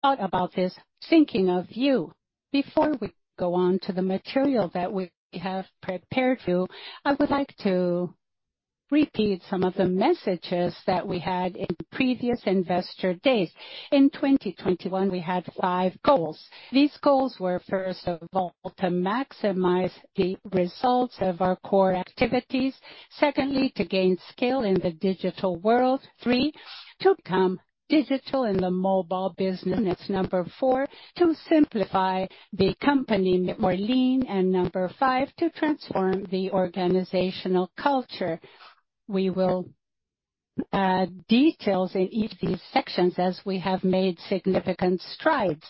Thought about this thinking of you. Before we go on to the material that we have prepared for you, I would like to repeat some of the messages that we had in previous investor days. In 2021, we had five goals. These goals were, first of all, to maximize the results of our core activities. Secondly, to gain scale in the digital world. Three, to become digital in the mobile business. Number four, to simplify the company more lean. And number five, to transform the organizational culture. We will details in each of these sections as we have made significant strides.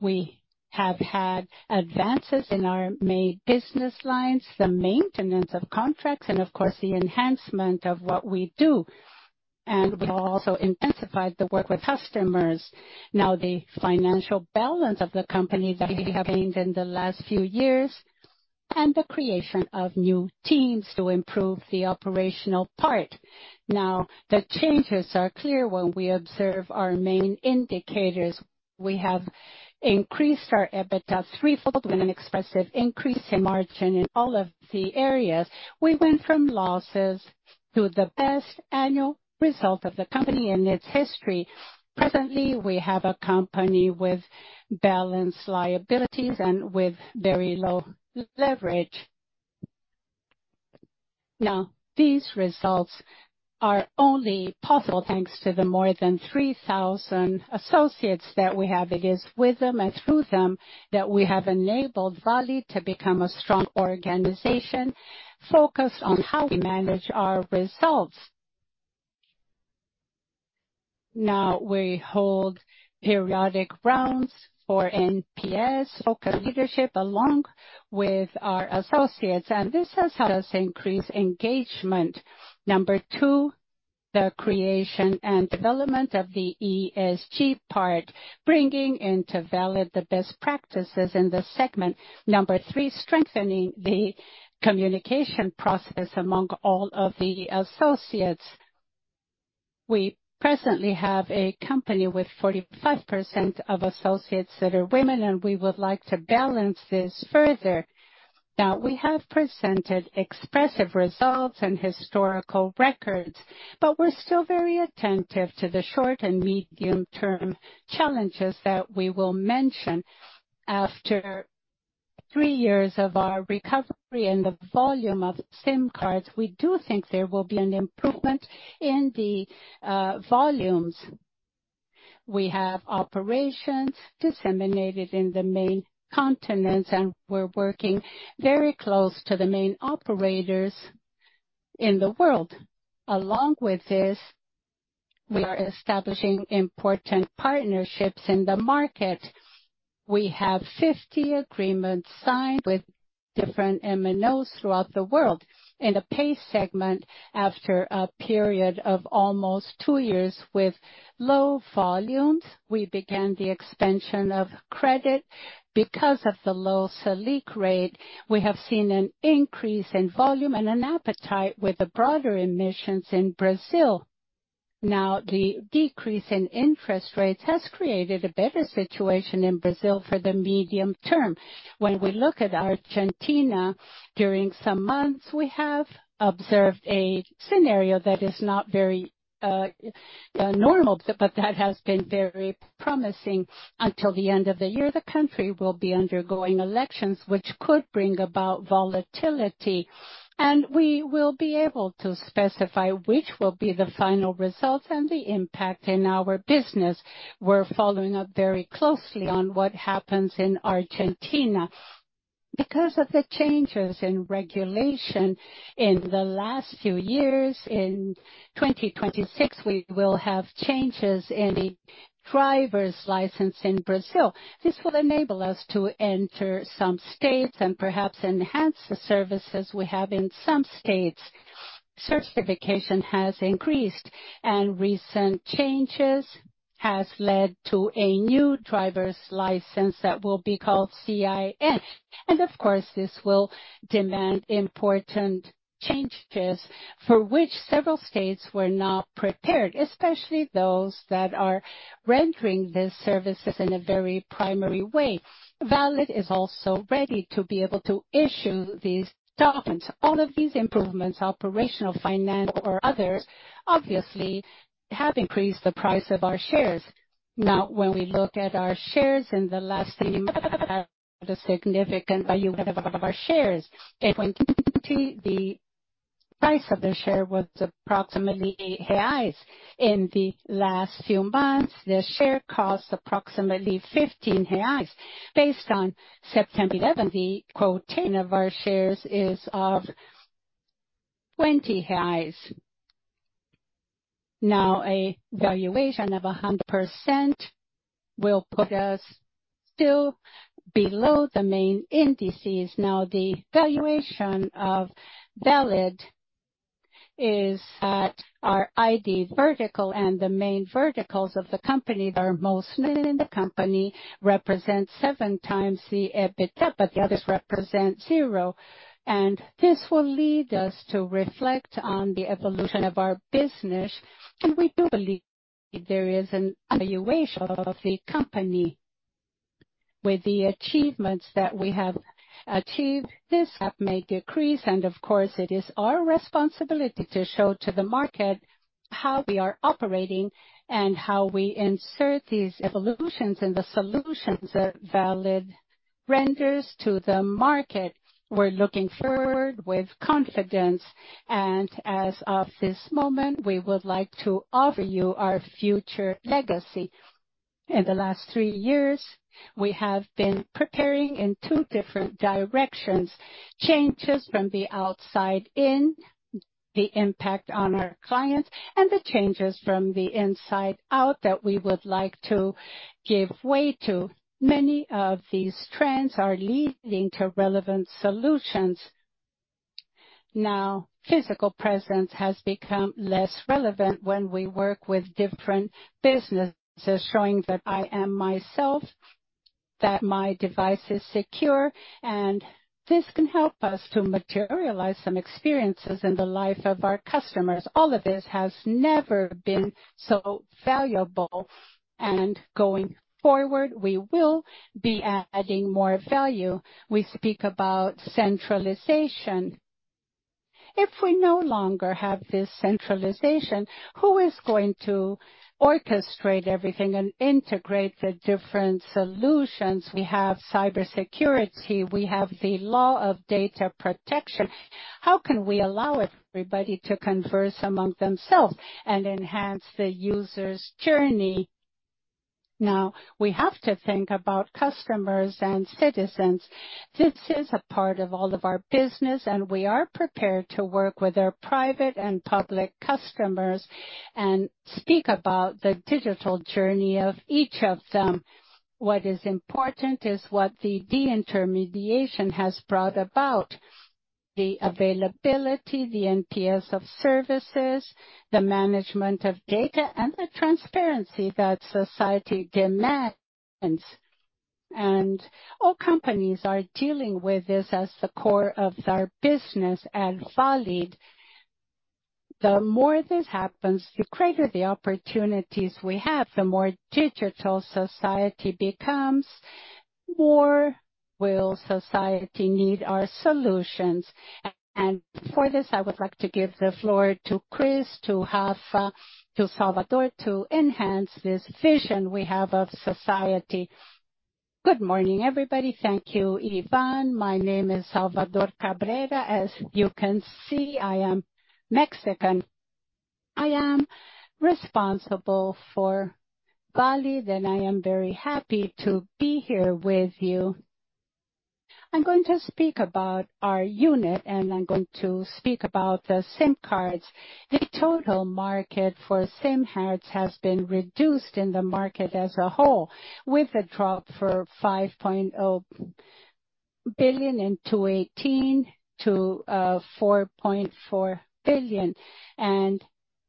We have had advances in our main business lines, the maintenance of contracts, and of course, the enhancement of what we do. And we've also intensified the work with customers. Now, the financial balance of the company that we have gained in the last few years and the creation of new teams to improve the operational part. Now, the changes are clear when we observe our main indicators. We have increased our EBITDA threefold with an expressive increase in margin in all of the areas. We went from losses to the best annual result of the company in its history. Presently, we have a company with balanced liabilities and with very low leverage. Now, these results are only possible thanks to the more than 3,000 associates that we have. It is with them and through them that we have enabled Valid to become a strong organization, focused on how we manage our results. Now, we hold periodic rounds for NPS focus leadership, along with our associates, and this has helped us increase engagement. Number two, the creation and development of the ESG part, bringing into Valid the best practices in this segment. Number three, strengthening the communication process among all of the associates. We presently have a company with 45% of associates that are women, and we would like to balance this further. Now, we have presented expressive results and historical records, but we're still very attentive to the short and medium-term challenges that we will mention. After three years of our recovery and the volume of SIM cards, we do think there will be an improvement in the volumes. We have operations disseminated in the main continents, and we're working very close to the main operators in the world. Along with this, we are establishing important partnerships in the market. We have 50 agreements signed with different MNOs throughout the world. In the pay segment, after a period of almost two years with low volumes, we began the expansion of credit. Because of the low Selic rate, we have seen an increase in volume and an appetite with the broader emissions in Brazil. Now, the decrease in interest rates has created a better situation in Brazil for the medium term. When we look at Argentina, during some months, we have observed a scenario that is not very, normal, but that has been very promising. Until the end of the year, the country will be undergoing elections, which could bring about volatility, and we will be able to specify which will be the final results and the impact in our business. We're following up very closely on what happens in Argentina. Because of the changes in regulation in the last few years, in 2026, we will have changes in the driver's license in Brazil. This will enable us to enter some states and perhaps enhance the services we have in some states. Certification has increased, and recent changes have led to a new driver's license that will be called CIN. Of course, this will demand important changes for which several states were not prepared, especially those that are rendering these services in a very primary way. Valid is also ready to be able to issue these documents. All of these improvements, operational, financial, or others, obviously have increased the price of our shares. Now, when we look at our shares in the last year, the significant value of our shares. In 2020, the price of the share was approximately 8 reais. In the last few months, the share cost approximately 15 reais. Based on September eleventh, the quotation of our shares is of 20 BRL. Now, a valuation of 100% will put us still below the main indices. Now, the valuation of Valid is that our ID vertical and the main verticals of the company that are most new in the company represent 7x the EBITDA, but the others represent 0, and this will lead us to reflect on the evolution of our business. And we do believe there is a valuation of the company.... With the achievements that we have achieved, this gap may decrease, and of course, it is our responsibility to show to the market how we are operating and how we insert these evolutions and the solutions that Valid renders to the market. We're looking forward with confidence, and as of this moment, we would like to offer you our future legacy. In the last three years, we have been preparing in two different directions, changes from the outside in, the impact on our clients, and the changes from the inside out that we would like to give way to. Many of these trends are leading to relevant solutions. Now, physical presence has become less relevant when we work with different businesses, showing that I am myself, that my device is secure, and this can help us to materialize some experiences in the life of our customers. All of this has never been so valuable, and going forward, we will be adding more value. We speak about centralization. If we no longer have this centralization, who is going to orchestrate everything and integrate the different solutions? We have cybersecurity, we have the law of data protection. How can we allow everybody to converse among themselves and enhance the user's journey? Now, we have to think about customers and citizens. This is a part of all of our business, and we are prepared to work with our private and public customers and speak about the digital journey of each of them. What is important is what the deintermediation has brought about: the availability, the NPS of services, the management of data, and the transparency that society demands. And all companies are dealing with this as the core of their business at Valid. The more this happens, the greater the opportunities we have. The more digital society becomes, the more will society need our solutions. And for this, I would like to give the floor to Chris, to Rafa, to Salvador, to enhance this vision we have of society. Good morning, everybody. Thank you, Ivan. My name is Salvador Cabrera. As you can see, I am Mexican. I am responsible for Valid, and I am very happy to be here with you. I'm going to speak about our unit, and I'm going to speak about the SIM cards. The total market for SIM cards has been reduced in the market as a whole, with a drop for 5.0 billion in 2018 to 4.4 billion, and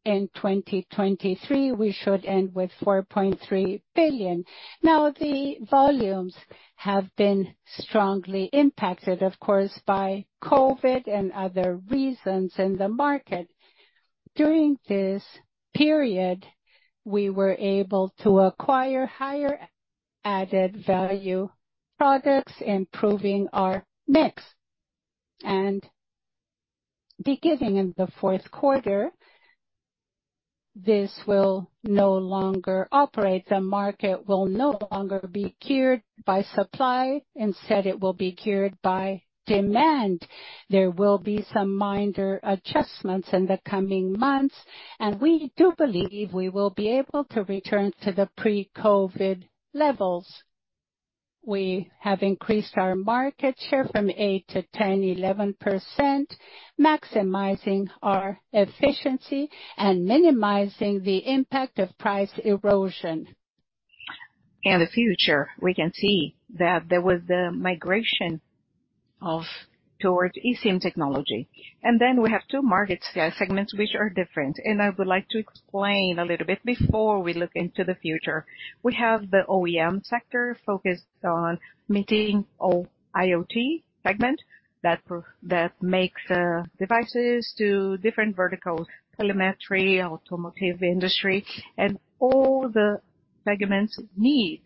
in 2023, we should end with 4.3 billion. Now, the volumes have been strongly impacted, of course, by COVID and other reasons in the market. During this period, we were able to acquire higher added value products, improving our mix. Beginning in the fourth quarter, this will no longer operate. The market will no longer be cured by supply. Instead, it will be cured by demand. There will be some minor adjustments in the coming months, and we do believe we will be able to return to the pre-COVID levels. We have increased our market share from 8% to 10%, 11%, maximizing our efficiency and minimizing the impact of price erosion. In the future, we can see that there was the migration towards eSIM technology. We have two market segments, which are different, and I would like to explain a little bit before we look into the future. We have the OEM sector focused on meeting all IoT segment, that makes devices to different verticals, telemetry, automotive industry, and all the segments need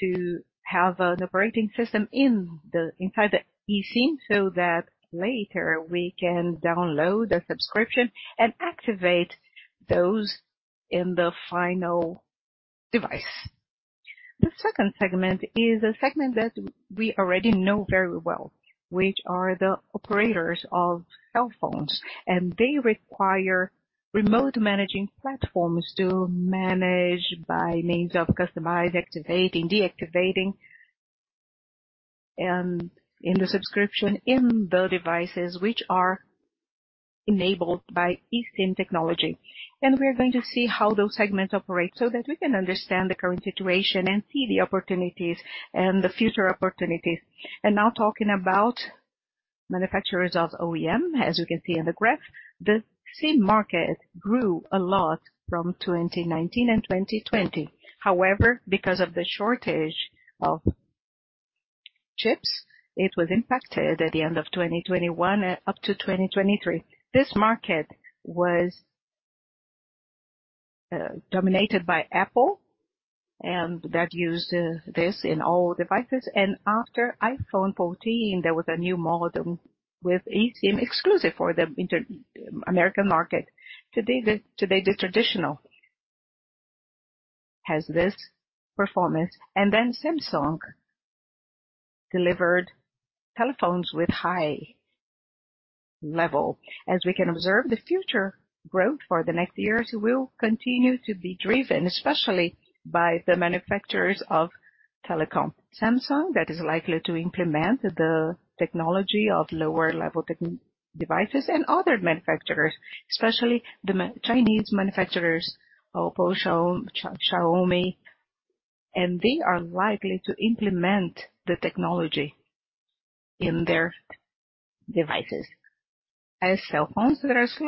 to have an operating system inside the eSIM, so that later we can download the subscription and activate those in the final device. The second segment is a segment that we already know very well, which are the operators of cell phones, and they require remote managing platforms to manage by means of customized activating, deactivating, and in the subscription, in the devices, which are enabled by eSIM technology. We are going to see how those segments operate so that we can understand the current situation and see the opportunities and the future opportunities. Now, talking about manufacturers of OEM, as you can see in the graph, the eSIM market grew a lot from 2019 and 2020. However, because of the shortage of chips, it was impacted at the end of 2021 up to 2023. This market was dominated by Apple, and that used this in all devices. After iPhone 14, there was a new model with eSIM exclusive for the inter-American market. Today, the traditional has this performance, and then Samsung delivered telephones with high level. As we can observe, the future growth for the next years will continue to be driven, especially by the manufacturers of telecom. Samsung, that is likely to implement the technology of lower level devices and other manufacturers, especially the Chinese manufacturers, OPPO, Xiaomi, and they are likely to implement the technology in their devices. As cell phones, there's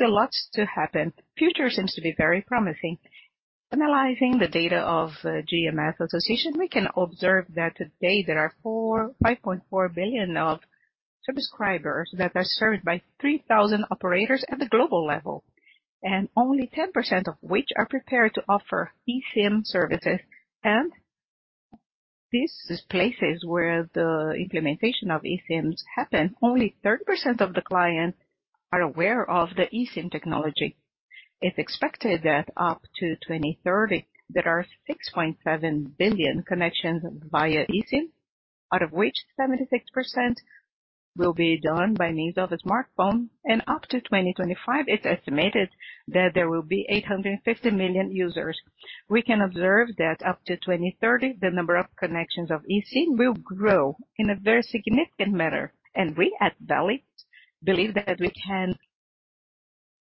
a lot to happen. Future seems to be very promising. Analyzing the data of, GMF Association, we can observe that today there are 5.4 billion of subscribers that are served by 3,000 operators at the global level, and only 10% of which are prepared to offer eSIM services. In these places where the implementation of eSIMs happen, only 30% of the clients are aware of the eSIM technology. It's expected that up to 2030, there are 6.7 billion connections via eSIM, out of which 76% will be done by means of a smartphone, and up to 2025, it's estimated that there will be 850 million users. We can observe that up to 2030, the number of connections of eSIM will grow in a very significant manner, and we, at Valid, believe that we can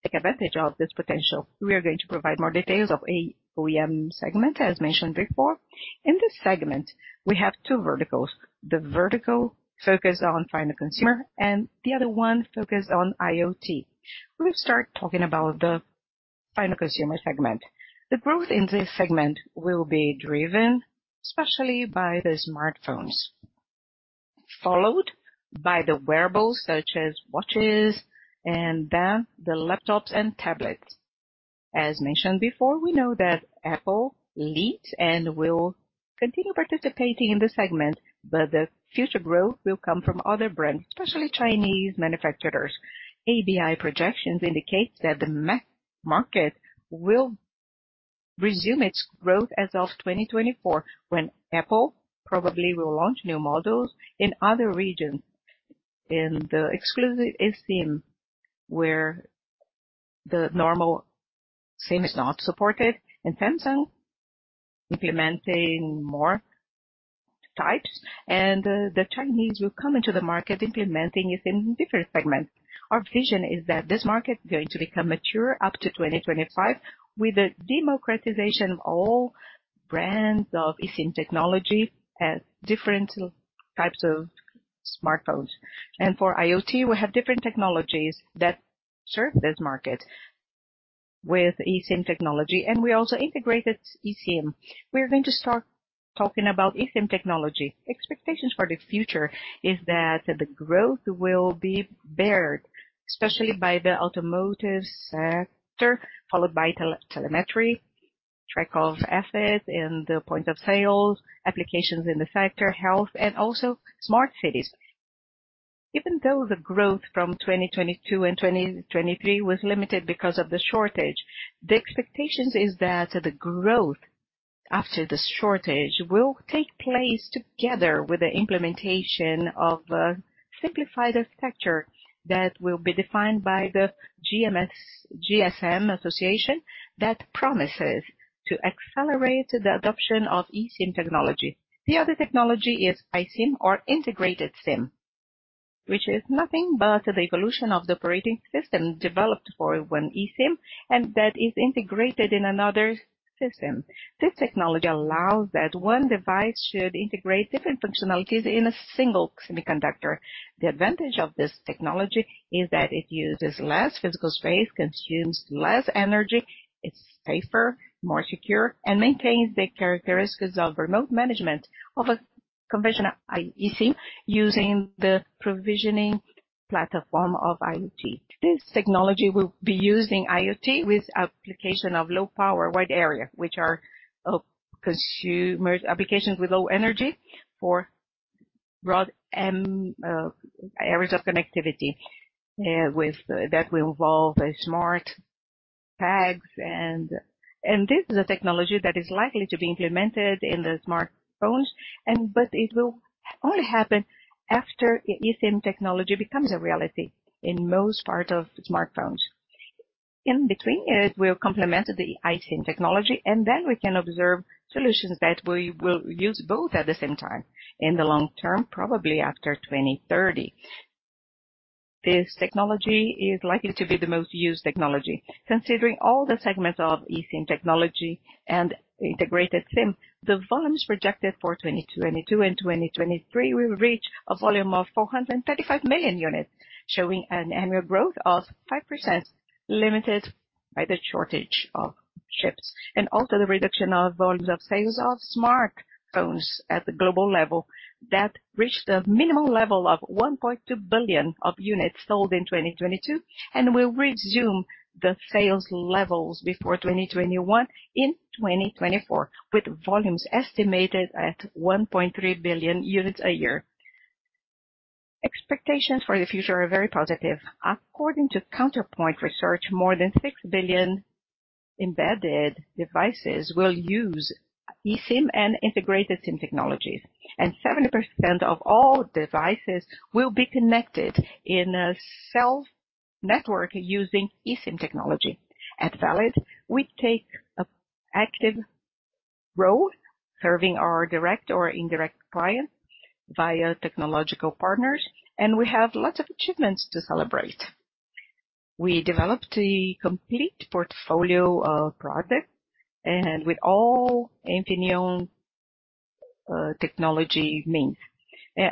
take advantage of this potential. We are going to provide more details of a OEM segment, as mentioned before. In this segment, we have two verticals: the vertical focused on final consumer and the other one focused on IoT. We'll start talking about the final consumer segment. The growth in this segment will be driven, especially by the smartphones, followed by the wearables, such as watches, and then the laptops and tablets. As mentioned before, we know that Apple leads and will continue participating in this segment, but the future growth will come from other brands, especially Chinese manufacturers. ABI projections indicate that the market will resume its growth as of 2024, when Apple probably will launch new models in other regions. In the exclusive eSIM, where the normal SIM is not supported, and Samsung implementing more types, and the Chinese will come into the market, implementing it in different segments. Our vision is that this market is going to become mature up to 2025, with the democratization of all brands of eSIM technology as different types of smartphones. For IoT, we have different technologies that serve this market with eSIM technology, and we also integrated eSIM. We are going to start talking about eSIM technology. Expectations for the future is that the growth will be borne, especially by the automotive sector, followed by telemetry, tracking of assets and the points of sale, applications in the sector, health, and also smart cities. Even though the growth from 2022 and 2023 was limited because of the shortage, the expectations is that the growth after the shortage will take place together with the implementation of a simplified architecture that will be defined by the GSMA, GSM Association, that promises to accelerate the adoption of eSIM technology. The other technology is iSIM or integrated SIM, which is nothing but the evolution of the operating system developed for one eSIM, and that is integrated in another system. This technology allows that one device should integrate different functionalities in a single semiconductor. The advantage of this technology is that it uses less physical space, consumes less energy, it's safer, more secure, and maintains the characteristics of remote management of a conventional iSIM, using the provisioning platform of IoT. This technology will be used in IoT with application of low power wide area, which are consumers applications with low energy for broad areas of connectivity. That will involve smart tags and this is a technology that is likely to be implemented in the smartphones and, but it will only happen after eSIM technology becomes a reality in most part of smartphones. In between, it will complement the iSIM technology, and then we can observe solutions that we will use both at the same time. In the long term, probably after 2030, this technology is likely to be the most used technology. Considering all the segments of eSIM technology and integrated SIM, the volumes projected for 2022 and 2023 will reach a volume of 435 million units, showing an annual growth of 5%, limited by the shortage of chips. Also the reduction of volumes of sales of smartphones at the global level, that reached a minimum level of 1.2 billion units sold in 2022, will resume the sales levels before 2021 in 2024, with volumes estimated at 1.3 billion units a year. Expectations for the future are very positive. According to Counterpoint Research, more than 6 billion embedded devices will use eSIM and integrated SIM technologies, and 70% of all devices will be connected in a cell network using eSIM technology. At Valid, we take an active role, serving our direct or indirect clients via technological partners, and we have lots of achievements to celebrate. We developed a complete portfolio of projects and with all NXP technology means.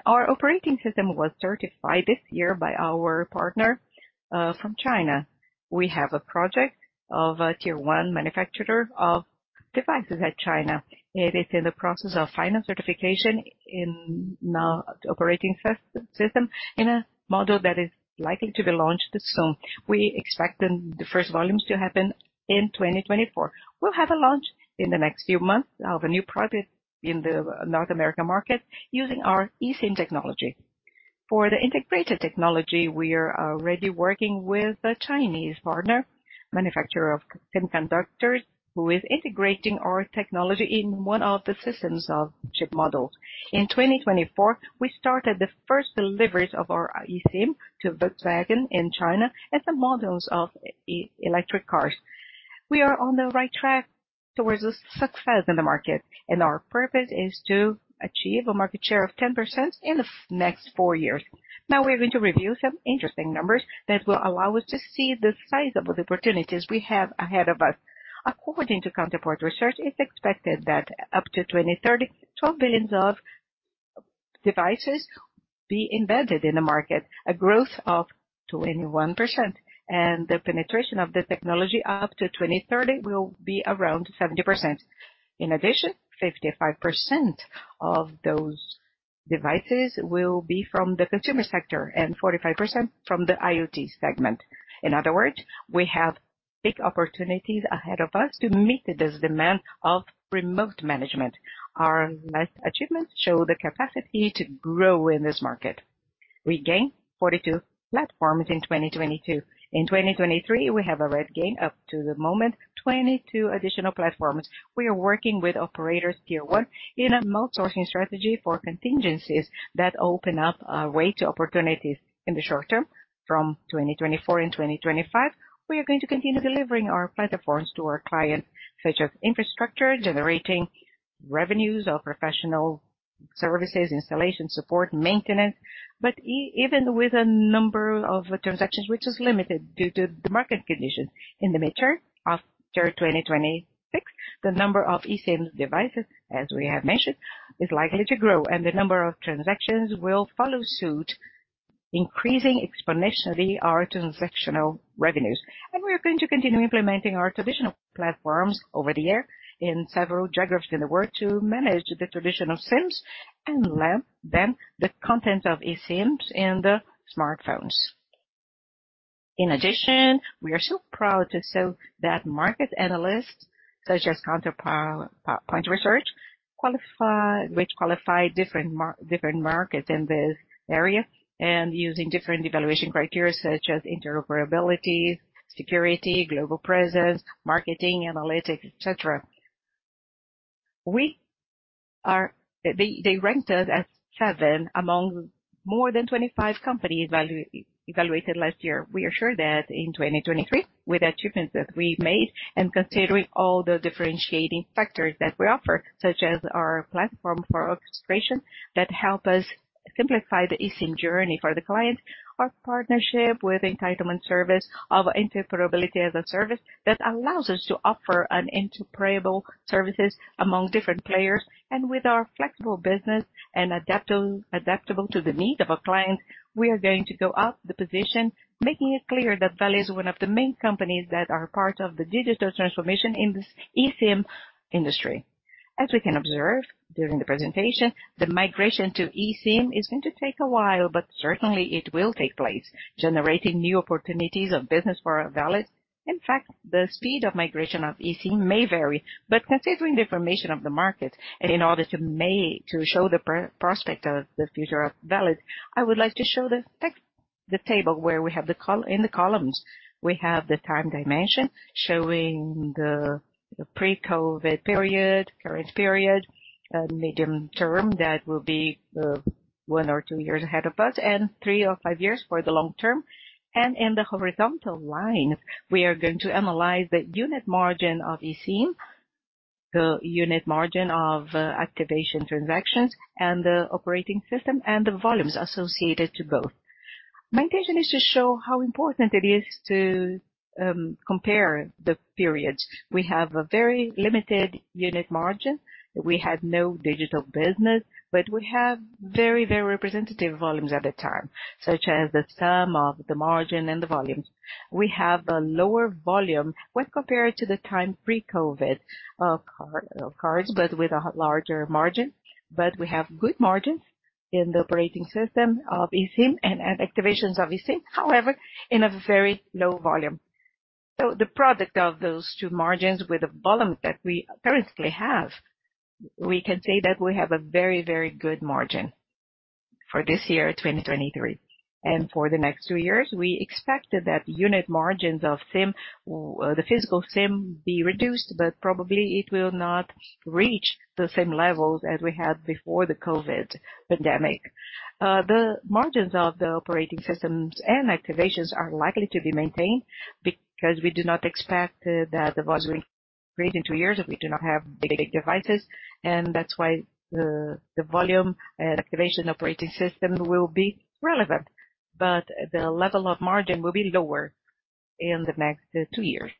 Our operating system was certified this year by our partner from China. We have a project of a tier one manufacturer of devices at China. It is in the process of final certification in now operating system, in a model that is likely to be launched soon. We expect the first volumes to happen in 2024. We'll have a launch in the next few months of a new project in the North American market, using our eSIM technology. For the integrated technology, we are already working with a Chinese partner, manufacturer of semiconductors, who is integrating our technology in one of the systems of chip models. In 2024, we started the first deliveries of our eSIM to Volkswagen in China, as the models of electric cars. We are on the right track towards the success in the market, and our purpose is to achieve a market share of 10% in the next four years. Now, we are going to review some interesting numbers that will allow us to see the sizable opportunities we have ahead of us. According to Counterpoint Research, it's expected that up to 2030, 12 billion devices be embedded in the market, a growth of 21%, and the penetration of the technology up to 2030 will be around 70%. In addition, 55% of those devices will be from the consumer sector, and 45% from the IoT segment. In other words, we have big opportunities ahead of us to meet this demand of remote management. Our last achievements show the capacity to grow in this market. We gained 42 platforms in 2022. In 2023, we have already gained, up to the moment, 22 additional platforms. We are working with operators tier one, in a multi-sourcing strategy for contingencies that open up, way to opportunities in the short term. From 2024 and 2025, we are going to continue delivering our platforms to our clients, such as infrastructure, generating revenues of professional services, installation, support, maintenance, even with a number of transactions, which is limited due to the market conditions. In the mid-term, after 2026, the number of eSIM devices, as we have mentioned, is likely to grow, and the number of transactions will follow suit, increasing exponentially our transactional revenues. And we are going to continue implementing our traditional platforms over the year in several geographies in the world, to manage the traditional SIMs and then the content of eSIMs in the smartphones. In addition, we are so proud to show that market analysts, such as Counterpoint Research, which qualify different markets in this area, and using different evaluation criteria such as interoperability, security, global presence, marketing, analytics, et cetera. They ranked us as 7 among more than 25 companies evaluated last year. We are sure that in 2023, with the achievements that we made, and considering all the differentiating factors that we offer, such as our platform for orchestration, that help us simplify the eSIM journey for the client, our partnership with entitlement service of interoperability as a service, that allows us to offer an interoperable services among different players, and with our flexible business and adaptable, adaptable to the needs of our clients, we are going to go up the position, making it clear that Valid is one of the main companies that are part of the digital transformation in this eSIM industry. As we can observe during the presentation, the migration to eSIM is going to take a while, but certainly it will take place, generating new opportunities of business for Valid. In fact, the speed of migration of eSIM may vary, but considering the information of the market, and in order to show the prospect of the future of Valid, I would like to show the table where we have in the columns, we have the time dimension, showing the pre-COVID period, current period, medium term, that will be one or two years ahead of us, and three or five years for the long term. In the horizontal line, we are going to analyze the unit margin of eSIM, the unit margin of activation transactions, and the operating system, and the volumes associated to both. My intention is to show how important it is to compare the periods. We have a very limited unit margin. We had no digital business, but we have very, very representative volumes at the time, such as the sum of the margin and the volumes. We have a lower volume when compared to the time pre-COVID of cards, but with a larger margin. But we have good margins in the operating system of eSIM and activations of eSIM, however, in a very low volume. So the product of those two margins with the volume that we currently have, we can say that we have a very, very good margin for this year, 2023. And for the next two years, we expected that unit margins of SIM, the physical SIM be reduced, but probably it will not reach the same levels as we had before the COVID pandemic. The margins of the operating systems and activations are likely to be maintained, because we do not expect that the volume will increase in two years, and we do not have big devices, and that's why the, the volume and activation operating system will be relevant. The level of margin will be lower in the next two years.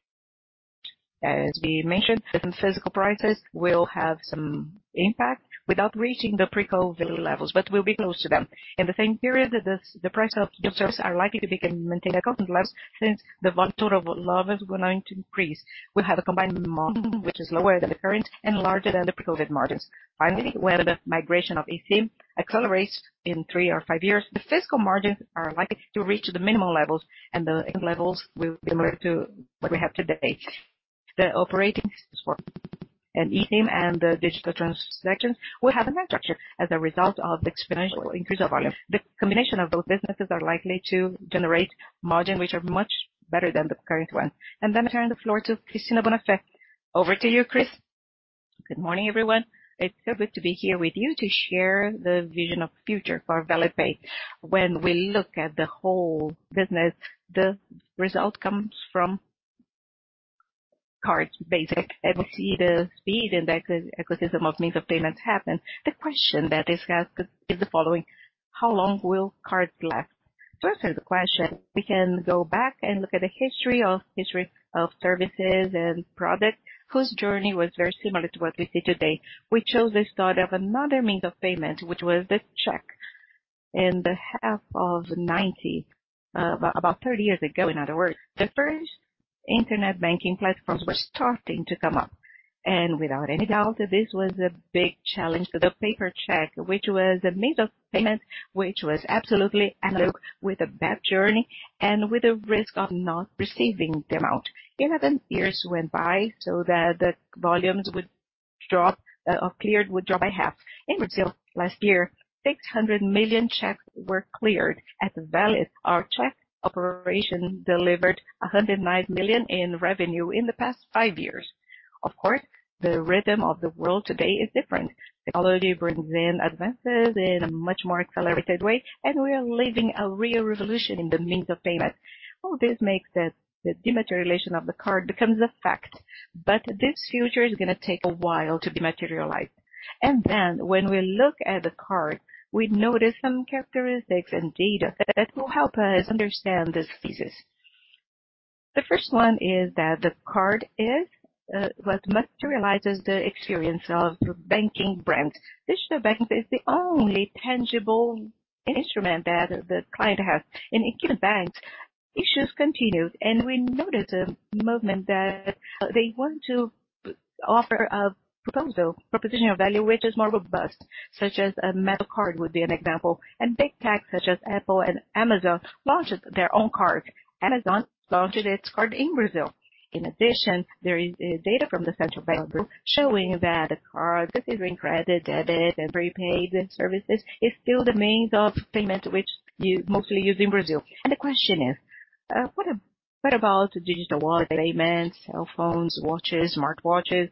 As we mentioned, different physical prices will have some impact without reaching the pre-COVID levels, but will be close to them. In the same period, the price of services are likely to be maintained at current levels, since the volume total of love is going to increase. We have a combined model which is lower than the current and larger than the pre-COVID margins. Finally, when the migration of eSIM accelerates in three or five years, the physical margins are likely to reach the minimum levels, and the levels will be similar to what we have today. The operating system and eSIM and the digital transactions will have a structure as a result of the exponential increase of volume. The combination of those businesses are likely to generate margins which are much better than the current ones. And then I turn the floor to Cristina Boner. Over to you, Chris. Good morning, everyone. It's so good to be here with you to share the vision of future for Valid Pay. When we look at the whole business, the result comes from cards, basic, and we see the speed and the ecosystem of means of payments happen. The question that is asked is the following: how long will cards last? To answer the question, we can go back and look at the history of, history of services and products, whose journey was very similar to what we see today. We chose this thought of another means of payment, which was the check. In the half of ninety, about 30 years ago in other words, the first internet banking platforms were starting to come up, and without any doubt, this was a big challenge to the paper check, which was a means of payment, which was absolutely analog, with a bad journey and with a risk of not receiving the amount. Even then, years went by so that the volumes would drop, or cleared, would drop by half. In Brazil last year, 600 million checks were cleared. At Valid, our check operation delivered 109 million in revenue in the past five years. Of course, the rhythm of the world today is different. Technology brings in advances in a much more accelerated way, and we are living a real revolution in the means of payment. All this makes the dematerialization of the card becomes a fact, but this future is gonna take a while to be materialized. And then when we look at the card, we notice some characteristics and data that will help us understand this thesis. The first one is that the card is what materializes the experience of the banking brand. Digital banking is the only tangible instrument that the client has. And in banks, issues continued, and we noticed a movement that they want to offer a proposal, proposition of value, which is more robust, such as a metal card, would be an example. And Big Tech, such as Apple and Amazon, launched their own cards. Amazon launched its card in Brazil. In addition, there is data from the Central Bank of Brazil showing that a card, this is in credit, debit, and prepaid services, is still the means of payment which mostly used in Brazil. The question is: what about digital wallet payments, cell phones, watches, smartwatches?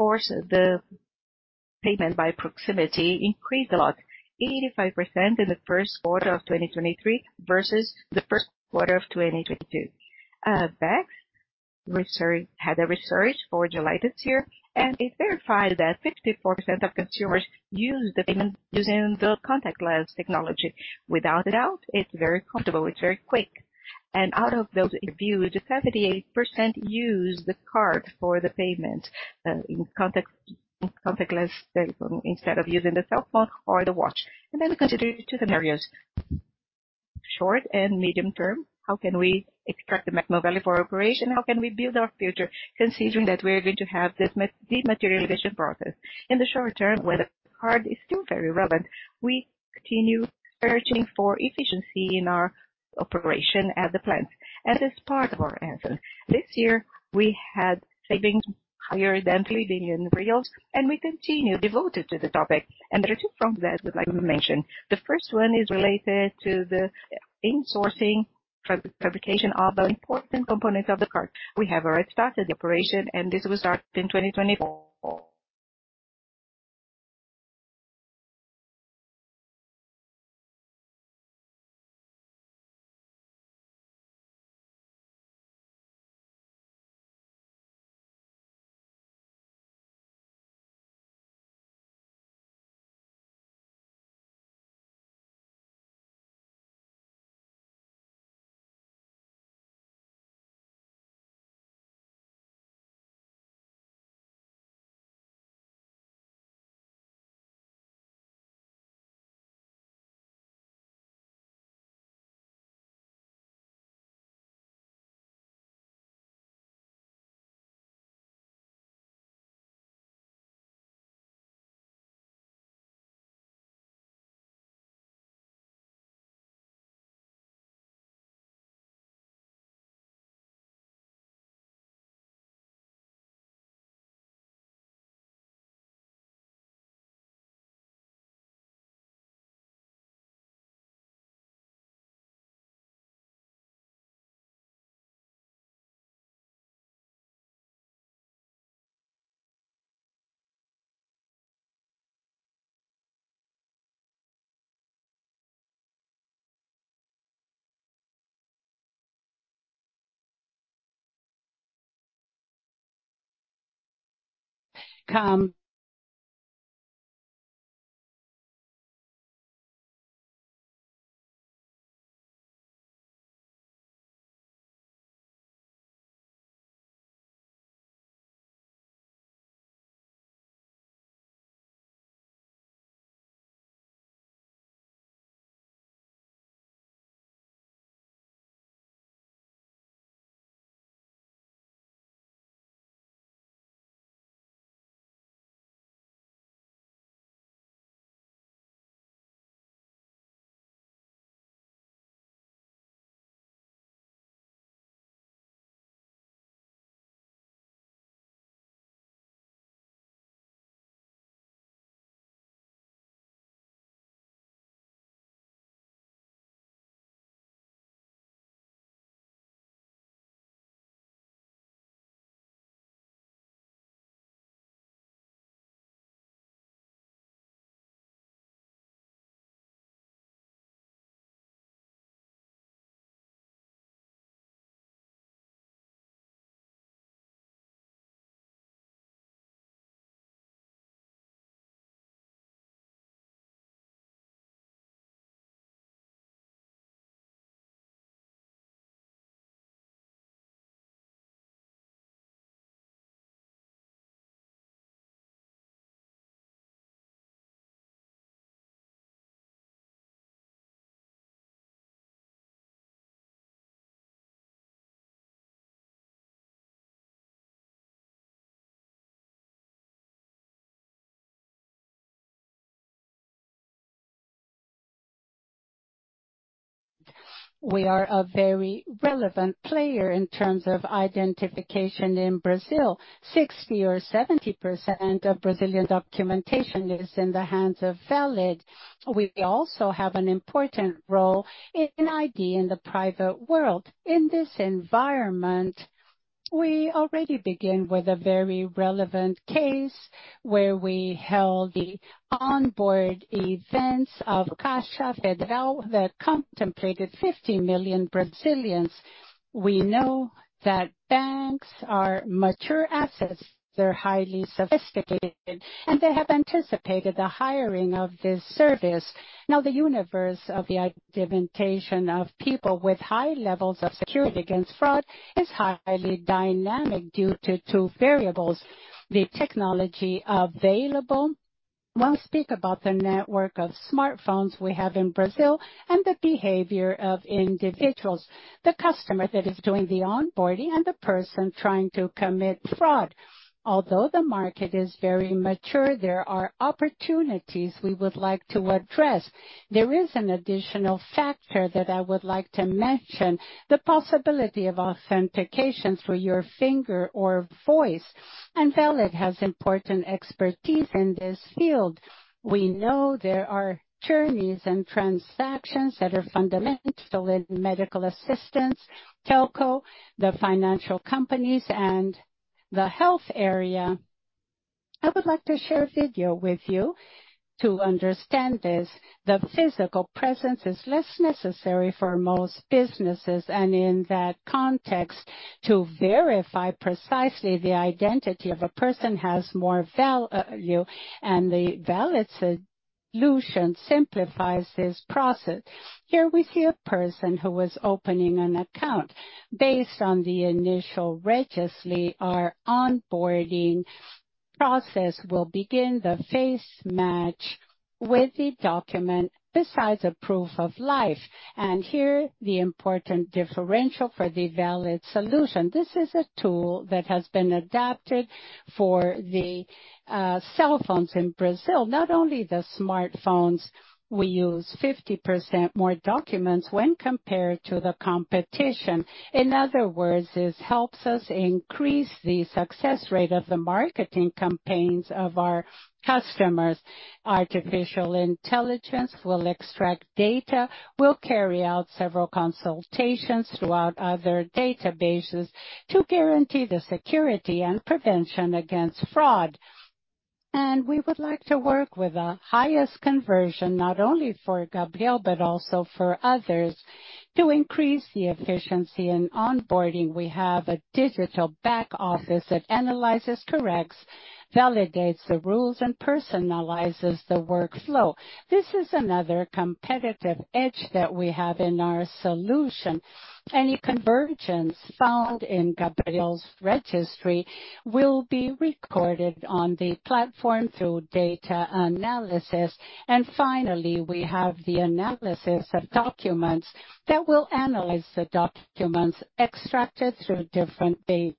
Of course, the payment by proximity increased a lot, 85% in the first quarter of 2023 versus the first quarter of 2022. Abecs Research had a research for July this year, and it verified that 54% of consumers use the payment using the contactless technology. Without a doubt, it's very comfortable, it's very quick, and out of those interviewed, 78% use the card for the payment, in contact, contactless, instead of using the cell phone or the watch. And then we consider two scenarios, short and medium term. How can we extract the maximum value for our operation? How can we build our future, considering that we are going to have this dematerialization process? In the short term, where the card is still very relevant, we continue searching for efficiency in our operation at the plant. As part of our answer, this year, we had savings higher than 3 billion reais, and we continue devoted to the topic. There are two points that I would like to mention. The first one is related to the insourcing fabrication of the important components of the card. We have already started the operation, and this will start in 2024. We are a very relevant player in terms of identification in Brazil. 60% or 70% of Brazilian documentation is in the hands of Valid. We also have an important role in ID in the private world. In this environment, we already begin with a very relevant case, where we held the onboard events of Caixa Federal that contemplated 50 million Brazilians. We know that banks are mature assets, they're highly sophisticated, and they have anticipated the hiring of this service. Now, the universe of the identification of people with high levels of security against fraud is highly dynamic due to two variables: the technology available. When we speak about the network of smartphones we have in Brazil and the behavior of individuals, the customer that is doing the onboarding and the person trying to commit fraud. Although the market is very mature, there are opportunities we would like to address. There is an additional factor that I would like to mention, the possibility of authentication through your finger or voice, and Valid has important expertise in this field. We know there are journeys and transactions that are fundamental in medical assistance, telco, the financial companies, and the health area. I would like to share a video with you to understand this. The physical presence is less necessary for most businesses, and in that context, to verify precisely the identity of a person has more value, and the Valid solution simplifies this process. Here we see a person who is opening an account. Based on the initial registry, our onboarding process will begin the face match with the document, besides a proof of life. And here, the important differential for the Valid solution. This is a tool that has been adapted for the cell phones in Brazil, not only the smartphones. We use 50% more documents when compared to the competition. In other words, this helps us increase the success rate of the marketing campaigns of our customers. Artificial intelligence will extract data, will carry out several consultations throughout other databases to guarantee the security and prevention against fraud. We would like to work with the highest conversion, not only for Gabriel, but also for others. To increase the efficiency and onboarding, we have a digital back office that analyzes, corrects, validates the rules, and personalizes the workflow. This is another competitive edge that we have in our solution. Any convergence found in Gabriel's registry will be recorded on the platform through data analysis. Finally, we have the analysis of documents that will analyze the documents extracted through different base,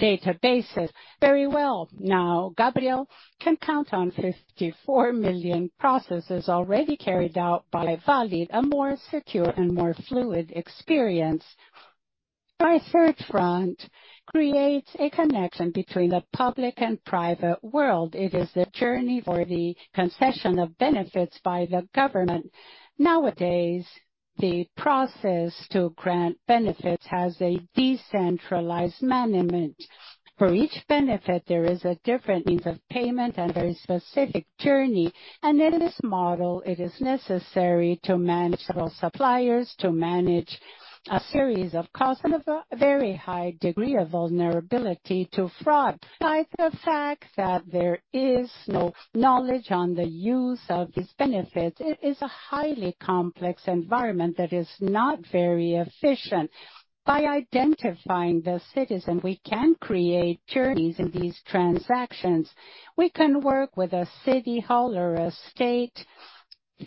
databases. Very well. Now, Gabriel can count on 54 million processes already carried out by Valid, a more secure and more fluid experience. Our third front creates a connection between the public and private world. It is the journey for the concession of benefits by the government. Nowadays, the process to grant benefits has a decentralized management. For each benefit, there is a different means of payment and very specific journey, and in this model, it is necessary to manage several suppliers, to manage a series of costs and a very high degree of vulnerability to fraud. Despite the fact that there is no knowledge on the use of these benefits, it is a highly complex environment that is not very efficient. By identifying the citizen, we can create journeys in these transactions. We can work with a city hall or a state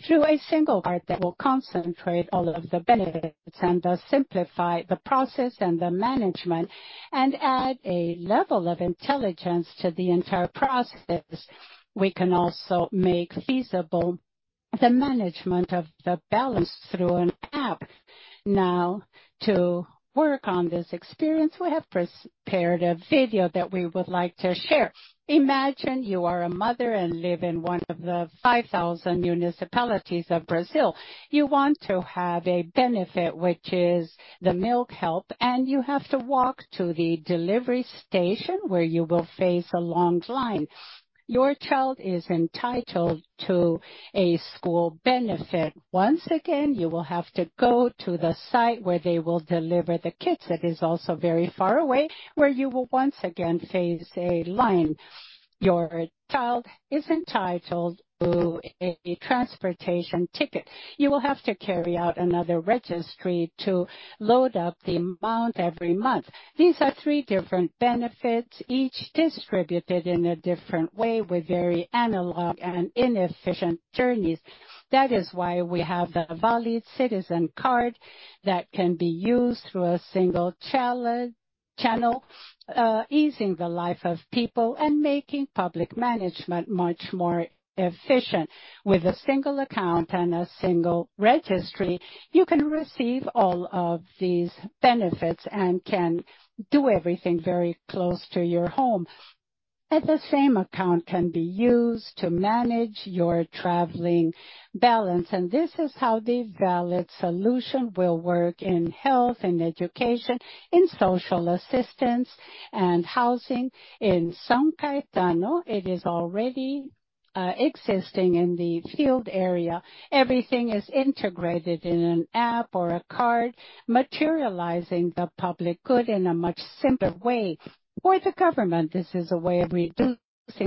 through a single card that will concentrate all of the benefits and thus simplify the process and the management and add a level of intelligence to the entire process. We can also make feasible the management of the balance through an app. Now, to work on this experience, we have prepared a video that we would like to share. Imagine you are a mother and live in one of the 5,000 municipalities of Brazil. You want to have a benefit, which is the milk help, and you have to walk to the delivery station, where you will face a long line. Your child is entitled to a school benefit. Once again, you will have to go to the site where they will deliver the kits that is also very far away, where you will once again face a line. Your child is entitled to a transportation ticket. You will have to carry out another registry to load up the amount every month. These are three different benefits, each distributed in a different way, with very analog and inefficient journeys. That is why we have the Valid Citizen card that can be used through a single channel, easing the life of people and making public management much more efficient. With a single account and a single registry, you can receive all of these benefits and can do everything very close to your home. The same account can be used to manage your traveling balance, and this is how the Valid solution will work in health and education, in social assistance and housing. In São Caetano, it is already existing in the field area. Everything is integrated in an app or a card, materializing the public good in a much simpler way. For the government, this is a way of reducing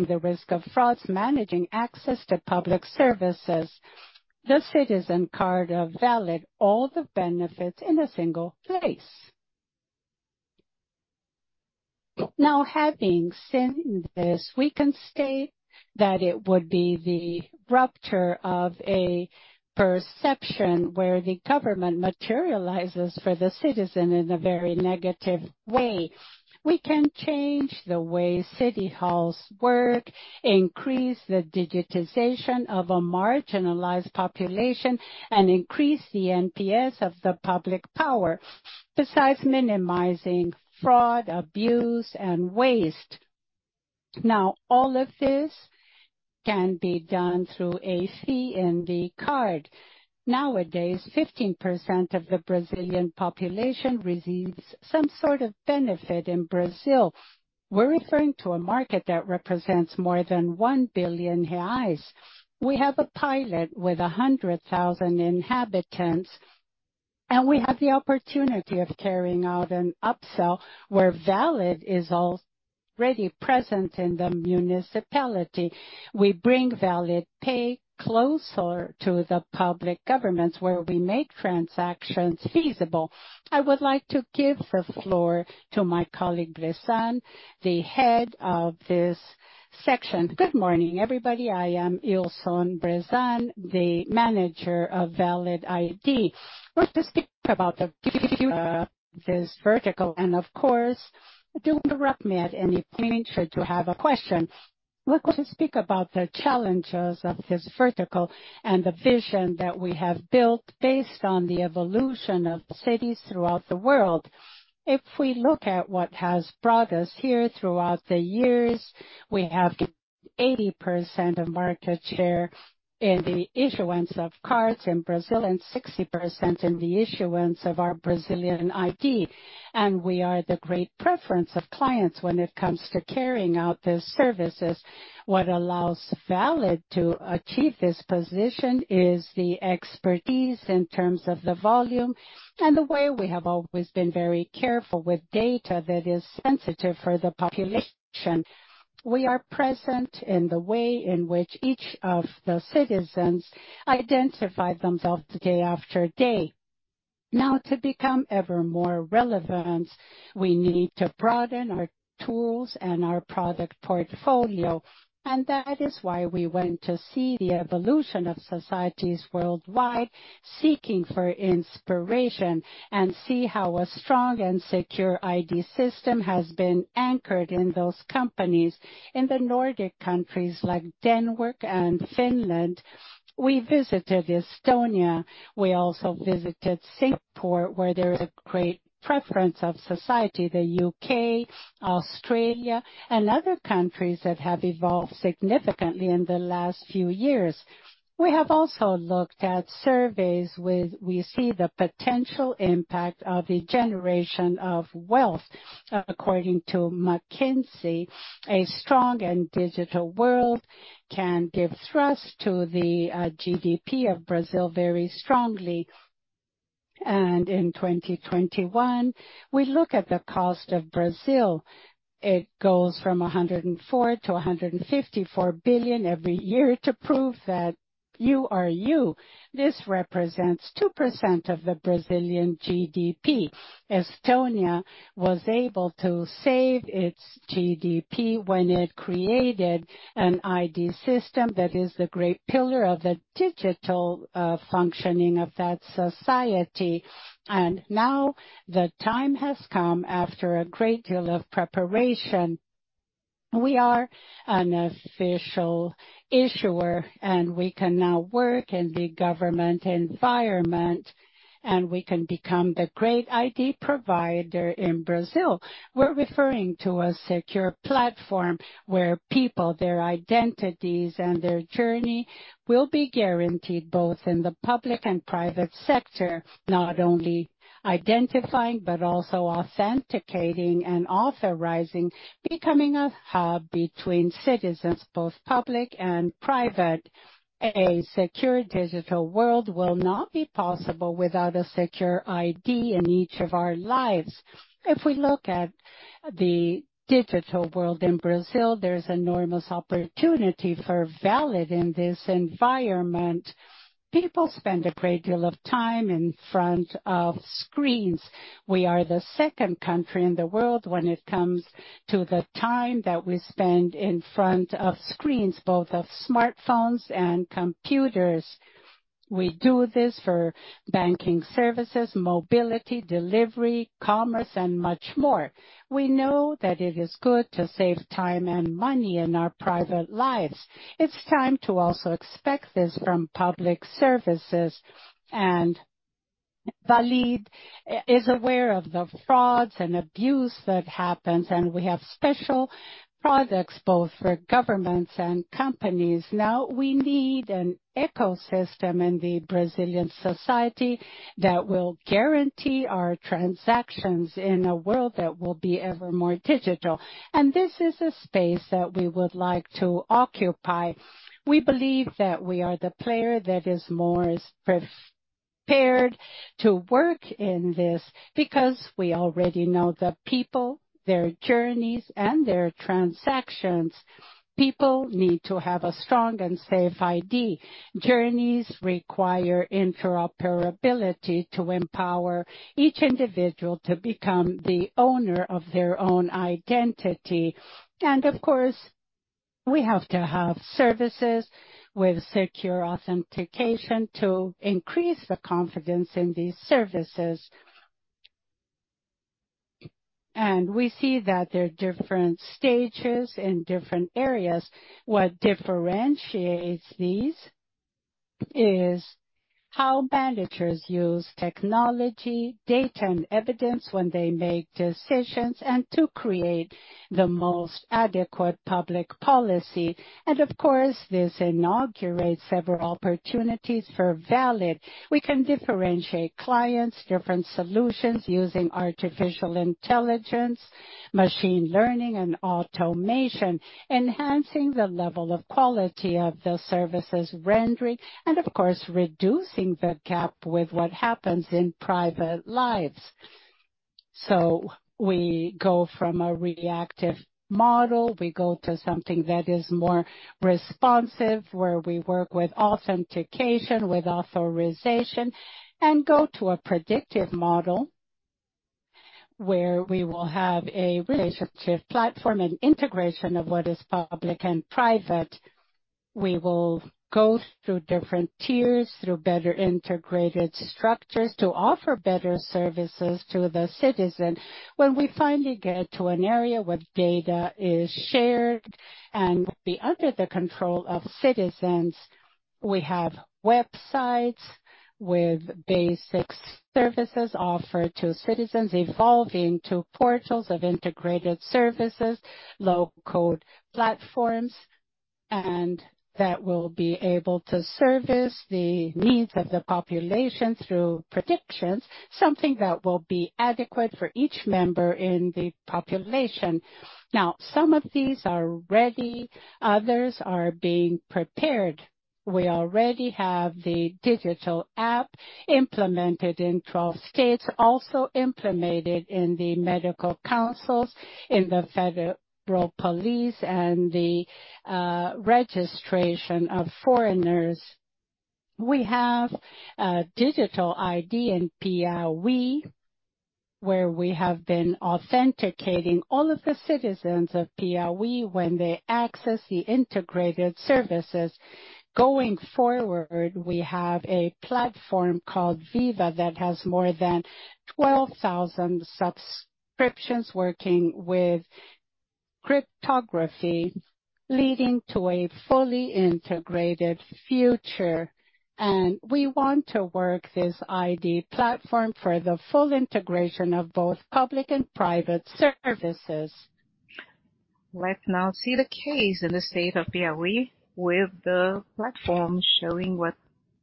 the risk of frauds, managing access to public services. The citizen card are valid all the benefits in a single place. Now, having seen this, we can state that it would be the rupture of a perception where the government materializes for the citizen in a very negative way. We can change the way city halls work, increase the digitization of a marginalized population, and increase the NPS of the public power, besides minimizing fraud, abuse, and waste. Now, all of this can be done through a CIN card. Nowadays, 15% of the Brazilian population receives some sort of benefit in Brazil. We're referring to a market that represents more than 1 billion reais. We have a pilot with 100,000 inhabitants, and we have the opportunity of carrying out an upsell where Valid is already present in the municipality. We bring Valid Pay closer to the public governments, where we make transactions feasible. I would like to give the floor to my colleague, Ilson Bressan, the head of this section. Good morning, everybody. I am Ilson Bressan, the manager of Valid ID. Let's just speak about this vertical, and of course, don't interrupt me at any point should you have a question. We're going to speak about the challenges of this vertical and the vision that we have built based on the evolution of cities throughout the world. If we look at what has brought us here throughout the years, we have 80% of market share in the issuance of cards in Brazil and 60% in the issuance of our Brazilian ID. We are the great preference of clients when it comes to carrying out those services. What allows Valid to achieve this position is the expertise in terms of the volume and the way we have always been very careful with data that is sensitive for the population. We are present in the way in which each of the citizens identify themselves day after day. Now, to become ever more relevant, we need to broaden our tools and our product portfolio, and that is why we went to see the evolution of societies worldwide, seeking for inspiration and see how a strong and secure ID system has been anchored in those companies. In the Nordic countries, like Denmark and Finland, we visited Estonia. We also visited Singapore, where there is a great preference of society, the U.K., Australia, and other countries that have evolved significantly in the last few years. We have also looked at surveys with we see the potential impact of the generation of wealth. According to McKinsey, a strong and digital world can give thrust to the GDP of Brazil very strongly. And in 2021, we look at the cost of Brazil. It goes from 104 billion-154 billion every year to prove that you are you. This represents 2% of the Brazilian GDP. Estonia was able to save its GDP when it created an ID system that is the great pillar of the digital functioning of that society. Now the time has come after a great deal of preparation. We are an official issuer, and we can now work in the government environment, and we can become the great ID provider in Brazil. We're referring to a secure platform where people, their identities, and their journey will be guaranteed, both in the public and private sector, not only identifying but also authenticating and authorizing, becoming a hub between citizens, both public and private. A secure digital world will not be possible without a secure ID in each of our lives. If we look at the digital world in Brazil, there's enormous opportunity for Valid in this environment. People spend a great deal of time in front of screens. We are the second country in the world when it comes to the time that we spend in front of screens, both of smartphones and computers. We do this for banking services, mobility, delivery, commerce, and much more. We know that it is good to save time and money in our private lives. It's time to also expect this from public services, and Valid is aware of the frauds and abuse that happens, and we have special products, both for governments and companies. Now, we need an ecosystem in the Brazilian society that will guarantee our transactions in a world that will be ever more digital. And this is a space that we would like to occupy. We believe that we are the player that is more prepared to work in this because we already know the people, their journeys, and their transactions. People need to have a strong and safe ID. Journeys require interoperability to empower each individual to become the owner of their own identity. Of course, we have to have services with secure authentication to increase the confidence in these services. We see that there are different stages in different areas. What differentiates these is how managers use technology, data, and evidence when they make decisions and to create the most adequate public policy. Of course, this inaugurates several opportunities for Valid. We can differentiate clients, different solutions, using artificial intelligence, machine learning, and automation, enhancing the level of quality of the services rendering, and of course, reducing the gap with what happens in private lives. So we go from a reactive model, we go to something that is more responsive, where we work with authentication, with authorization, and go to a predictive model, where we will have a relationship platform and integration of what is public and private. We will go through different tiers, through better integrated structures, to offer better services to the citizen. When we finally get to an area where data is shared and be under the control of citizens- We have websites with basic services offered to citizens, evolving to portals of integrated services, low code platforms, and that will be able to service the needs of the population through predictions, something that will be adequate for each member in the population. Now, some of these are ready, others are being prepared. We already have the digital app implemented in 12 states, also implemented in the medical councils, in the federal police, and the registration of foreigners. We have a digital ID in Piauí, where we have been authenticating all of the citizens of Piauí when they access the integrated services. Going forward, we have a platform called VIDaaS, that has more than 12,000 subscriptions working with cryptography, leading to a fully integrated future. We want to work this ID platform for the full integration of both public and private services. Let's now see the case in the state of Piauí, with the platform showing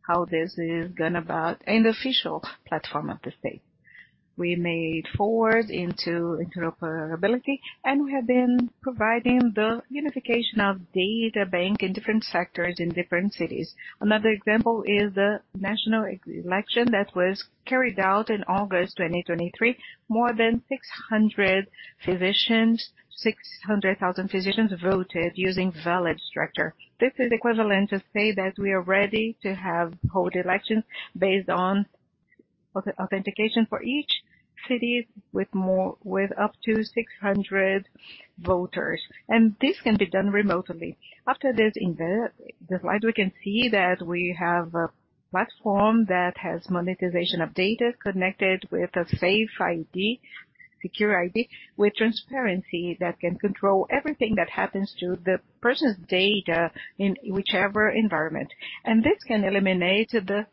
how this is going about in the official platform of the state. We made forward into interoperability, and we have been providing the unification of data bank in different sectors, in different cities. Another example is the national election that was carried out in August 2023. More than 600,000 physicians voted using Valid structure. This is equivalent to say that we are ready to hold elections based on authentication for each cities with up to 600 voters, and this can be done remotely. After this, in the slide, we can see that we have a platform that has monetization of data connected with a safe ID, secure ID, with transparency that can control everything that happens to the person's data in whichever environment. And this can eliminate the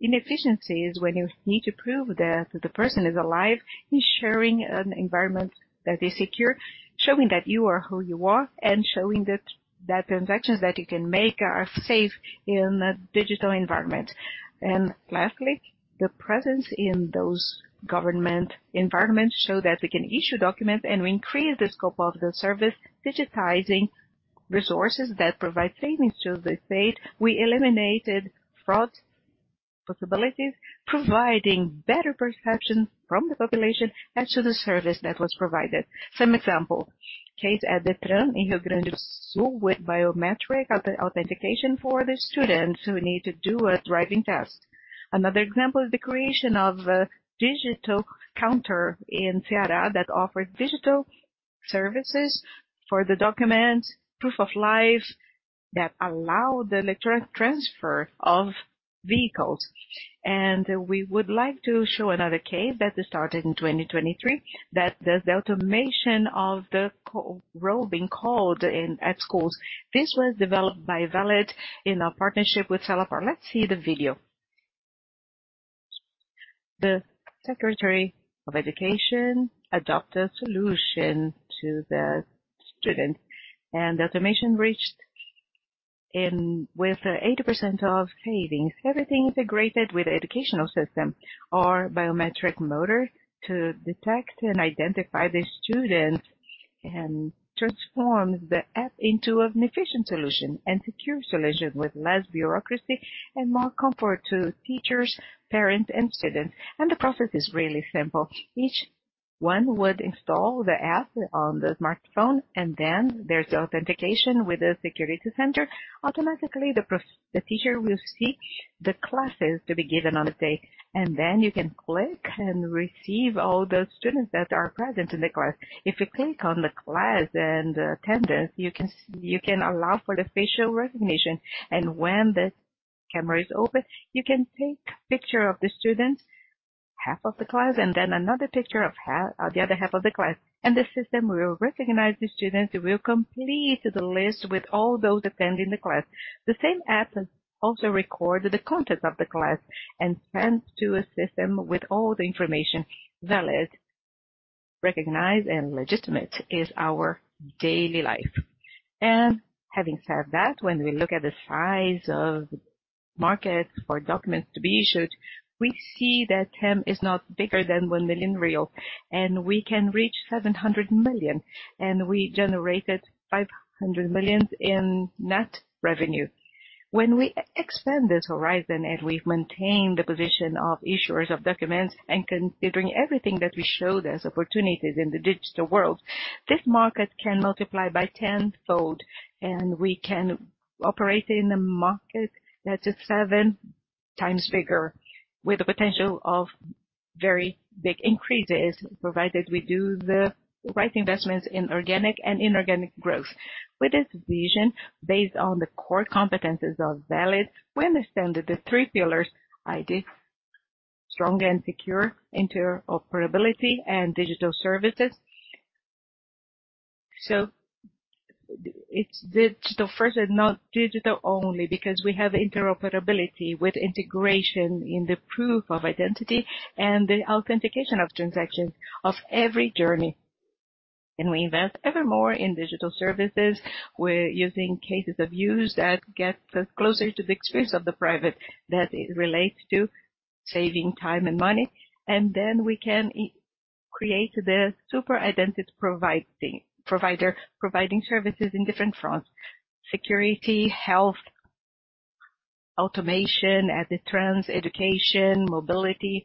inefficiencies when you need to prove that the person is alive, ensuring an environment that is secure, showing that you are who you are, and showing that the transactions that you can make are safe in a digital environment. And lastly, the presence in those government environments show that we can issue documents and increase the scope of the service, digitizing resources that provide savings to the state. We eliminated fraud possibilities, providing better perception from the population and to the service that was provided. Some example, case at Detran, in Rio Grande do Sul, with biometric authentication for the students who need to do a driving test. Another example is the creation of a digital counter in Ceará, that offered digital services for the documents, proof of life, that allow the electronic transfer of vehicles. We would like to show another case that started in 2023, that is the automation of the roll call being called in at schools. This was developed by Valid in a partnership with Celepar. Let's see the video. The Secretary of Education adopts a solution to the students, and automation results in 80% of savings. Everything integrated with the educational system via biometric method to detect and identify the students, and transforms the app into an efficient solution and secure solution, with less bureaucracy and more comfort to teachers, parents, and students. The process is really simple. Each one would install the app on the smartphone, and then there's the authentication with the security center. Automatically, the process—the teacher will seek the classes to be given on the day, and then you can click and receive all the students that are present in the class. If you click on the class and attendance, you can allow for the facial recognition, and when the camera is open, you can take picture of the students, half of the class, and then another picture of the other half of the class, and the system will recognize the students, it will complete the list with all those attending the class. The same app also records the contents of the class and sends to a system with all the information. Valid, recognize and legitimate is our daily life. Having said that, when we look at the size of markets for documents to be issued, we see that TAM is not bigger than 1 million real, and we can reach 700 million, and we generated 500 million in net revenue. When we expand this horizon, and we've maintained the position of issuers of documents, and considering everything that we show there's opportunities in the digital world, this market can multiply by tenfold, and we can operate in a market that is 7 times bigger, with the potential of very big increases, provided we do the right investments in organic and inorganic growth. With this vision, based on the core competencies of Valid, we understand that the 3 pillars: ID, strong and secure interoperability and digital services. So it's digital first and not digital only, because we have interoperability with integration in the proof of identity and the authentication of transactions of every journey. And we invest evermore in digital services. We're using cases of use that get closer to the experience of the private, that it relates to saving time and money, and then we can create the super identity providing provider, providing services in different fronts: security, health, automation as a trends, education, mobility,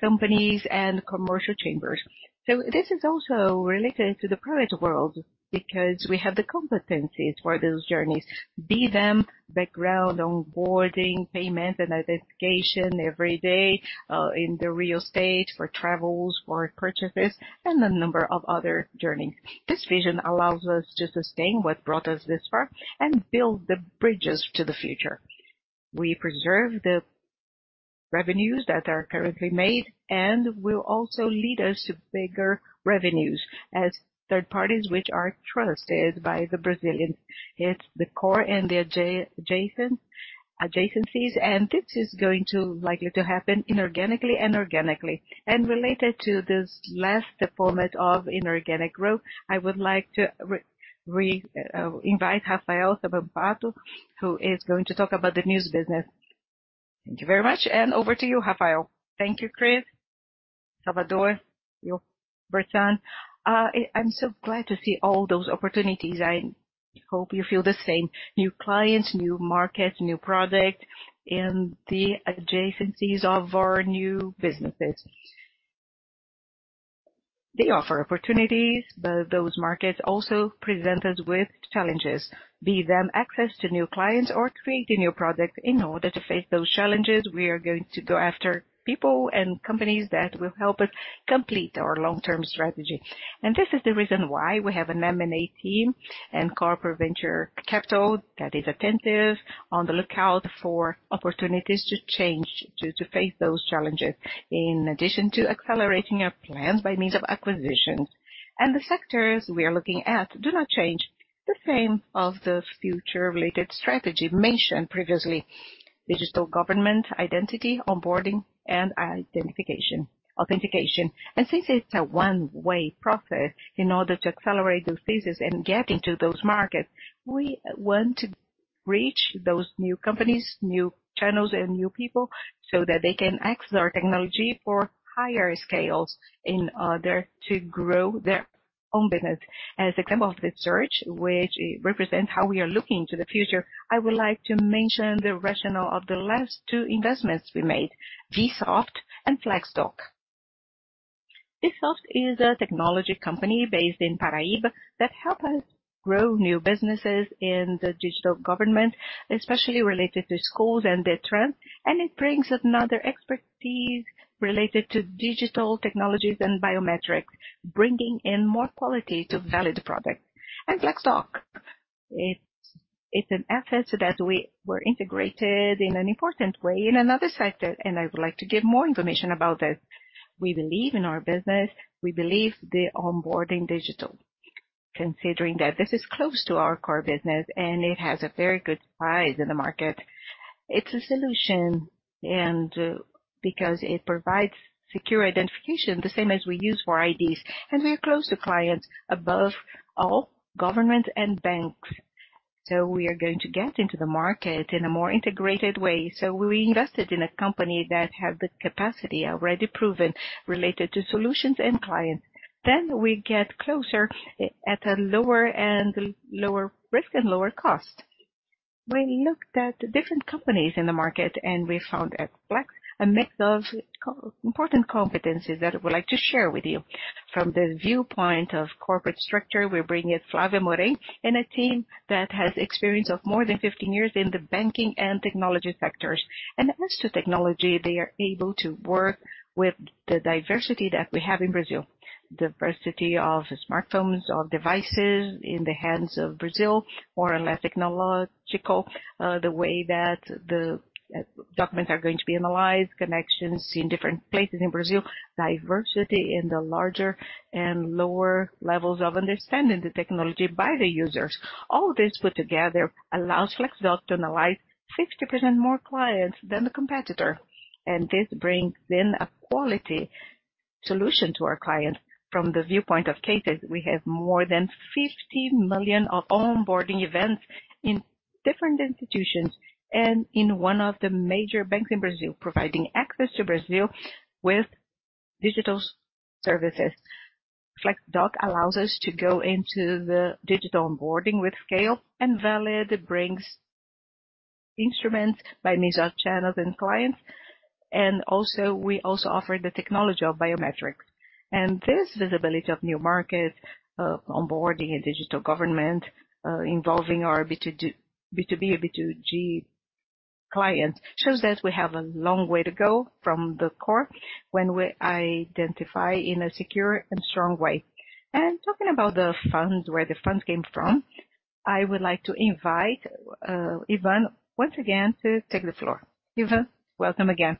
companies, and commercial chambers. So this is also related to the private world because we have the competencies for those journeys, be them background, onboarding, payment and identification every day, in the real estate, for travels, for purchases, and a number of other journeys. This vision allows us to sustain what brought us this far and build the bridges to the future. We preserve the revenues that are currently made, and will also lead us to bigger revenues as third parties, which are trusted by the Brazilians. It's the core and the adjacent, adjacencies, and this is going to likely to happen inorganically and organically. And related to this last format of inorganic growth, I would like to invite Rafael Saboato, who is going to talk about the new business. Thank you very much, and over to you, Rafael. Thank you, Chris, Salvador, you, Bressan. I'm so glad to see all those opportunities. I hope you feel the same. New clients, new markets, new product, and the adjacencies of our new businesses. They offer opportunities, but those markets also present us with challenges. Be them access to new clients or creating new products. In order to face those challenges, we are going to go after people and companies that will help us complete our long-term strategy. This is the reason why we have an M&A team and corporate venture capital that is attentive, on the lookout for opportunities to change, to face those challenges, in addition to accelerating our plans by means of acquisitions. The sectors we are looking at do not change the theme of the future-related strategy mentioned previously. Digital government, identity, onboarding, and identification-authentication. Since it's a one-way process, in order to accelerate those phases and get into those markets, we want to reach those new companies, new channels and new people, so that they can access our technology for higher scales in order to grow their own business. As an example of the search, which represents how we are looking to the future, I would like to mention the rationale of the last two investments we made, Vsoft and Flexdoc. Vsoft is a technology company based in Paraíba that help us grow new businesses in the digital government, especially related to schools and their trends. It brings another expertise related to digital technologies and biometrics, bringing in more quality to Valid product. Flexdoc, it's, it's an asset that we were integrated in an important way in another sector, and I would like to give more information about this. We believe in our business. We believe the onboarding digital, considering that this is close to our core business, and it has a very good price in the market. It's a solution, and, because it provides secure identification, the same as we use for IDs, and we are close to clients, above all, government and banks. We are going to get into the market in a more integrated way. We invested in a company that has the capacity already proven, related to solutions and clients. We get closer at a lower end, lower risk and lower cost. We looked at different companies in the market, and we found at Flexdoc a mix of important competencies that I would like to share with you. From the viewpoint of corporate structure, we're bringing Flávia Amorim and a team that has experience of more than 15 years in the banking and technology sectors. As to technology, they are able to work with the diversity that we have in Brazil. Diversity of smartphones, of devices in the hands of Brazil, more or less technological, the way that the documents are going to be analyzed, connections in different places in Brazil, diversity in the larger and lower levels of understanding the technology by the users. All this put together allows Flexdoc to analyze 60% more clients than the competitor, and this brings in a quality solution to our clients. From the viewpoint of cases, we have more than 50 million of onboarding events in different institutions, and in one of the major banks in Brazil, providing access to Brazil with digital services. Flexdoc allows us to go into the digital onboarding with scale, and Valid brings instruments by means of channels and clients. Also, we also offer the technology of biometrics. This visibility of new market, onboarding a digital government, involving our B2C, B2B or B2G clients, shows that we have a long way to go from the core when we identify in a secure and strong way. Talking about the funds, where the funds came from, I would like to invite, Ivan, once again to take the floor. Ivan, welcome again.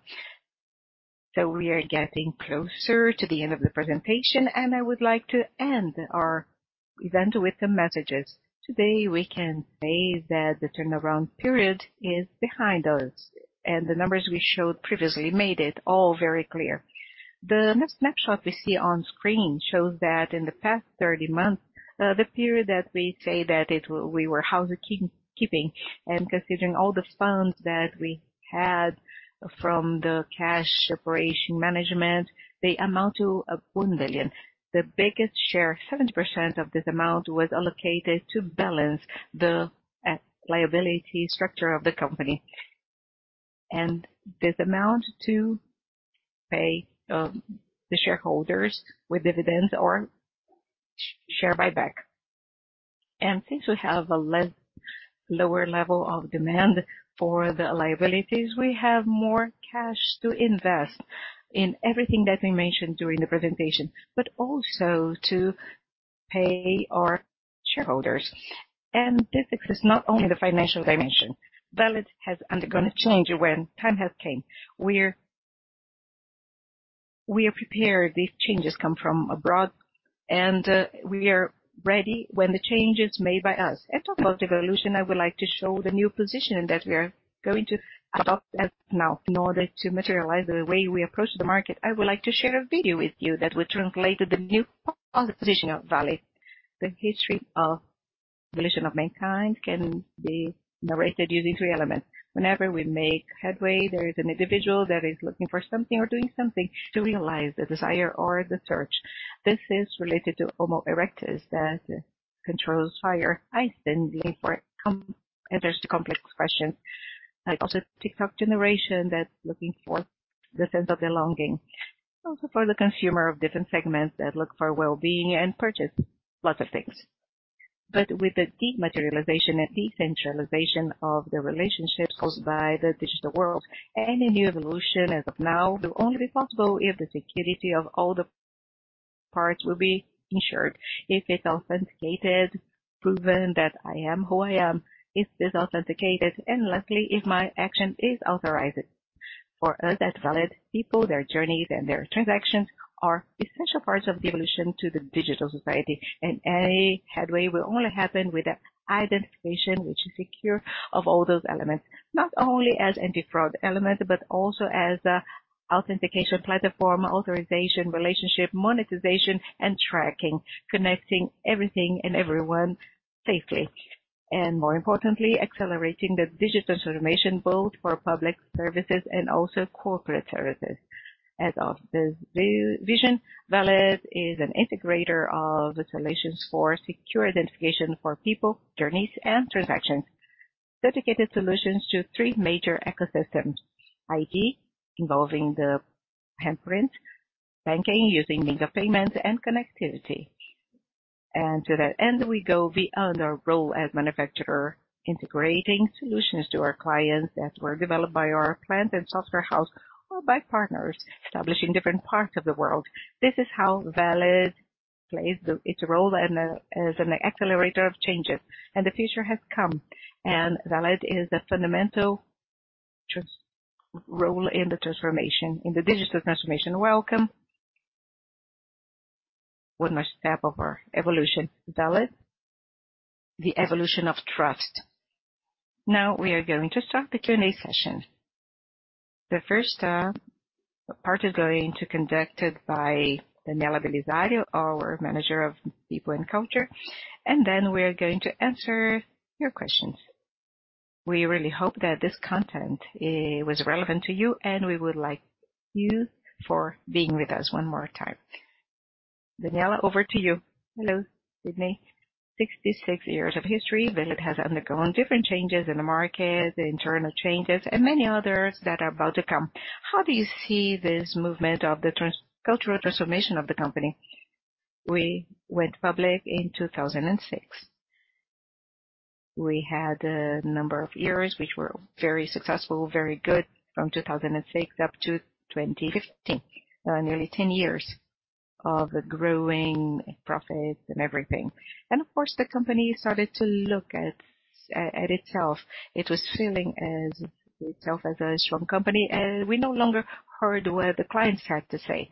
We are getting closer to the end of the presentation, and I would like to end our event with the messages. Today, we can say that the turnaround period is behind us, and the numbers we showed previously made it all very clear. The next snapshot we see on screen shows that in the past 30 months, the period that we say that we were housekeeping, and considering all the funds that we had from the cash operation management, they amount to 1 billion. The biggest share, 70% of this amount, was allocated to balance the liability structure of the company. This amount to pay the shareholders with dividends or share buyback. Since we have a lower level of demand for the liabilities, we have more cash to invest in everything that we mentioned during the presentation, but also to pay our shareholders. This is not only the financial dimension. Valid has undergone a change when time has came. We're, we are prepared if changes come from abroad and we are ready when the change is made by us. I talk about evolution. I would like to show the new position that we are going to adopt as of now in order to materialize the way we approach the market. I would like to share a video with you that will translate to the new position of Valid. The history of evolution of mankind can be narrated using three elements. Whenever we make headway, there is an individual that is looking for something or doing something to realize the desire or the search. This is related to Homo erectus that controls fire, Einstein, looking for answers to complex questions, like also TikTok generation that's looking for the sense of belonging. Also for the consumer of different segments that look for well-being and purchase lots of things. With the dematerialization and decentralization of the relationships caused by the digital world, any new evolution as of now will only be possible if the security of all the parts will be ensured. If it's authenticated, proven that I am who I am, if it's authenticated, and lastly, if my action is authorized. For us at Valid, people, their journeys, and their transactions are essential parts of the evolution to the digital society, and any headway will only happen with the identification which is secure of all those elements, not only as anti-fraud element, but also as an authentication platform, authorization, relationship, monetization, and tracking, connecting everything and everyone safely. More importantly, accelerating the digital transformation, both for public services and also corporate services. As of this vision, Valid is an integrator of the solutions for secure identification for people, journeys, and transactions. Dedicated solutions to three major ecosystems: ID, involving the fingerprint, banking, using means of payment and connectivity. To that end, we go beyond our role as manufacturer, integrating solutions to our clients that were developed by our plant and software house or by partners establishing different parts of the world. This is how Valid plays its role and, as an accelerator of changes. The future has come, and Valid is the fundamental transformational role in the transformation, in the digital transformation. Welcome. One more step of our evolution. Valid, the evolution of trust. Now we are going to start the Q&A session. The first part is going to be conducted by Daniela Belisário, our Manager of People and Culture, and then we are going to answer your questions. We really hope that this content was relevant to you, and we would like you for being with us one more time. Daniela, over to you. Hello, Sidney. Sixty-six years of history, Valid has undergone different changes in the market, internal changes, and many others that are about to come. How do you see this movement of the cultural transformation of the company? We went public in 2006. We had a number of years which were very successful, very good, from 2006 up to 2015. Nearly 10 years of growing profit and everything. Of course, the company started to look at, at itself. It was feeling as itself, as a strong company, and we no longer heard what the clients had to say.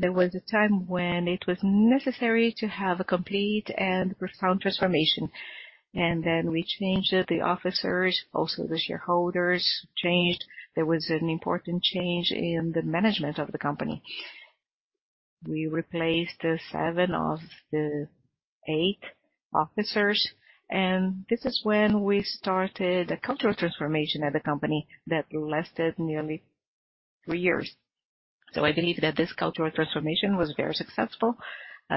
There was a time when it was necessary to have a complete and profound transformation, and then we changed the officers, also the shareholders changed. There was an important change in the management of the company. We replaced seven of the eight officers, and this is when we started a cultural transformation at the company that lasted nearly three years. I believe that this cultural transformation was very successful.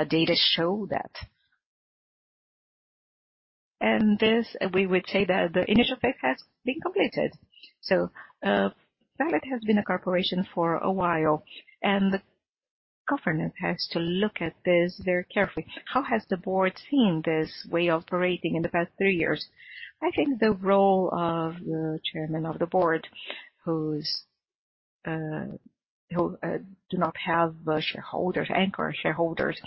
Data show that. We would say that the initial phase has been completed. Valid has been a corporation for a while, and the government has to look at this very carefully. How has the board seen this way of operating in the past three years? I think the role of the chairman of the board, who do not have anchor shareholders,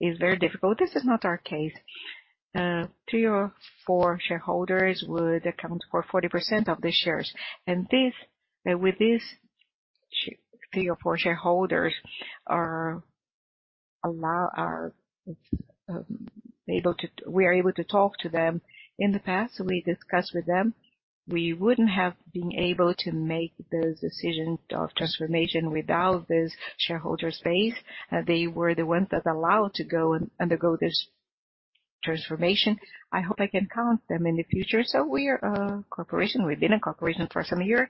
is very difficult. This is not our case.... Three or four shareholders would account for 40% of the shares. And three or four shareholders are able to—we are able to talk to them. In the past, we discussed with them, we wouldn't have been able to make those decisions of transformation without this shareholder base. They were the ones that allowed to go and undergo this transformation. I hope I can count them in the future. So we are a corporation. We've been a corporation for some years,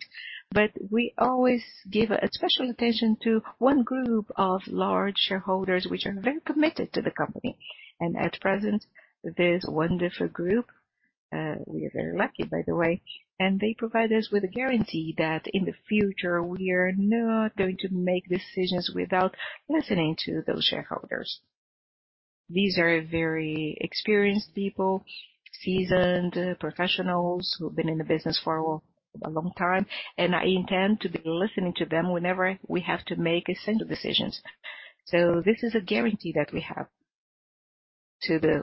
but we always give a special attention to one group of large shareholders, which are very committed to the company. And at present, this wonderful group, we are very lucky, by the way, and they provide us with a guarantee that in the future, we are not going to make decisions without listening to those shareholders. These are very experienced people, seasoned professionals who've been in the business for a long time, and I intend to be listening to them whenever we have to make essential decisions. So this is a guarantee that we have to the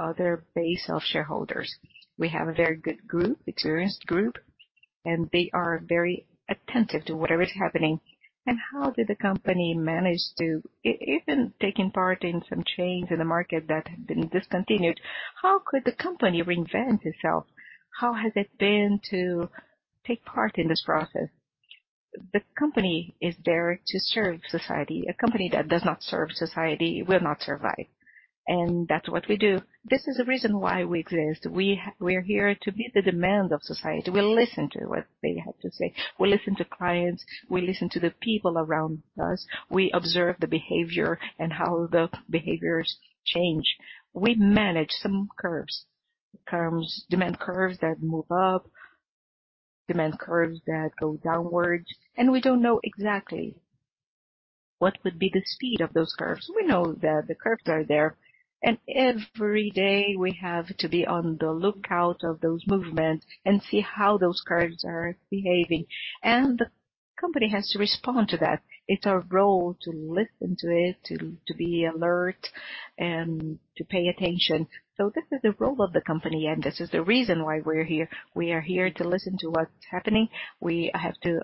other base of shareholders. We have a very good group, experienced group, and they are very attentive to whatever is happening. And how did the company manage to even taking part in some chains in the market that have been discontinued, how could the company reinvent itself? How has it been to take part in this process? The company is there to serve society. A company that does not serve society will not survive, and that's what we do. This is the reason why we exist. We're here to meet the demands of society. We listen to what they have to say. We listen to clients, we listen to the people around us. We observe the behavior and how the behaviors change. We manage some curves, curves, demand curves that move up, demand curves that go downward, and we don't know exactly what would be the speed of those curves. We know that the curves are there, and every day, we have to be on the lookout of those movements and see how those curves are behaving, and the company has to respond to that. It's our role to listen to it, to, to be alert, and to pay attention. So this is the role of the company, and this is the reason why we're here. We are here to listen to what's happening. We have to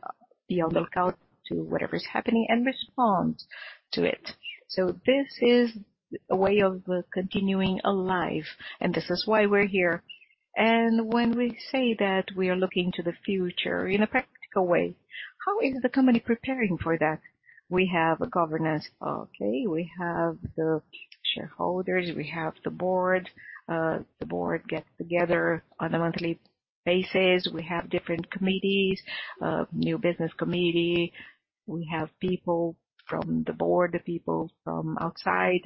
be on the lookout to whatever is happening and respond to it. So this is a way of continuing alive, and this is why we're here. And when we say that we are looking to the future in a practical way, how is the company preparing for that? We have a governance, okay? We have the shareholders, we have the board. The board gets together on a monthly basis. We have different committees, new business committee. We have people from the board, the people from outside.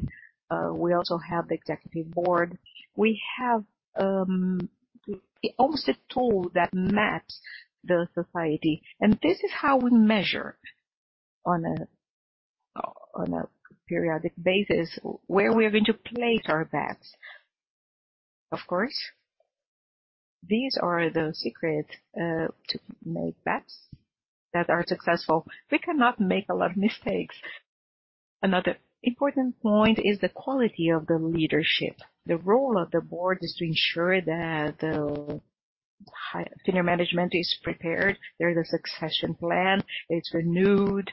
We also have the executive board. We have almost a tool that maps the society, and this is how we measure on a periodic basis, where we are going to place our bets. Of course, these are the secret to make bets that are successful. We cannot make a lot of mistakes. Another important point is the quality of the leadership. The role of the board is to ensure that the senior management is prepared. There is a succession plan. It's renewed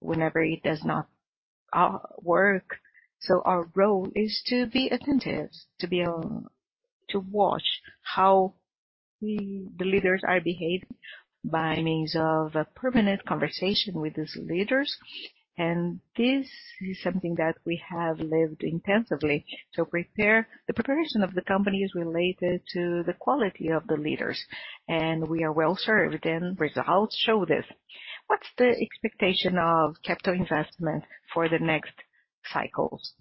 whenever it does not work. Our role is to be attentive, to be able to watch how the leaders are behaving by means of a permanent conversation with these leaders, and this is something that we have lived intensively. The preparation of the company is related to the quality of the leaders, and we are well-served, and results show this. What's the expectation of capital investment for the next cycles?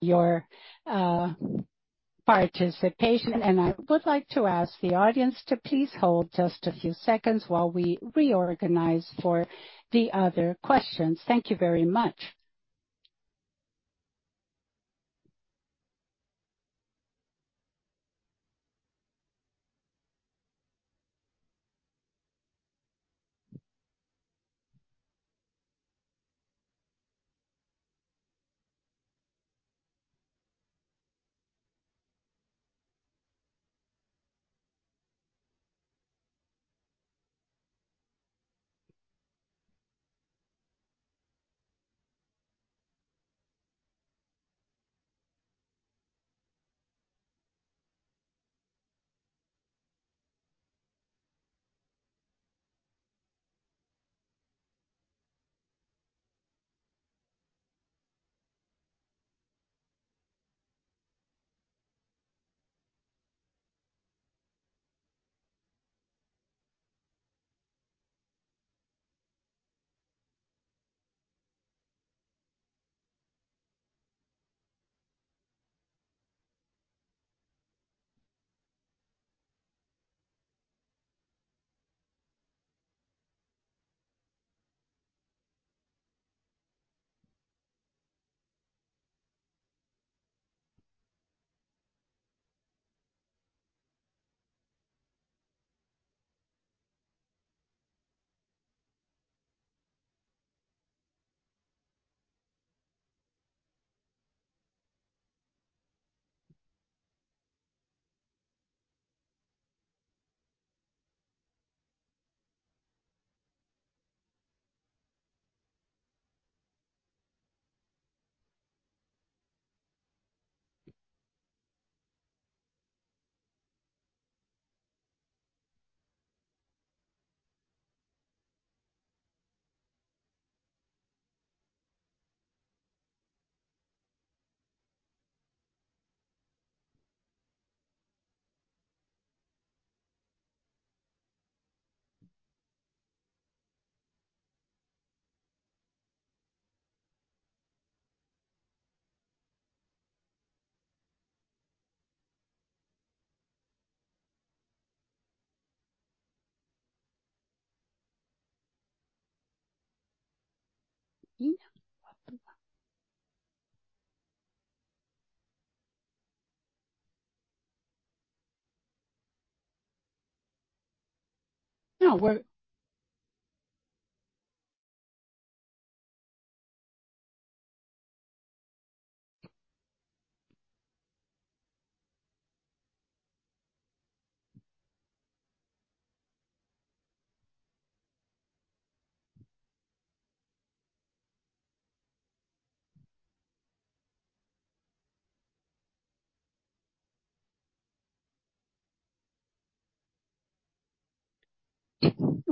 your participation, and I would like to ask the audience to please hold just a few seconds while we reorganize for the other questions. Thank you very much.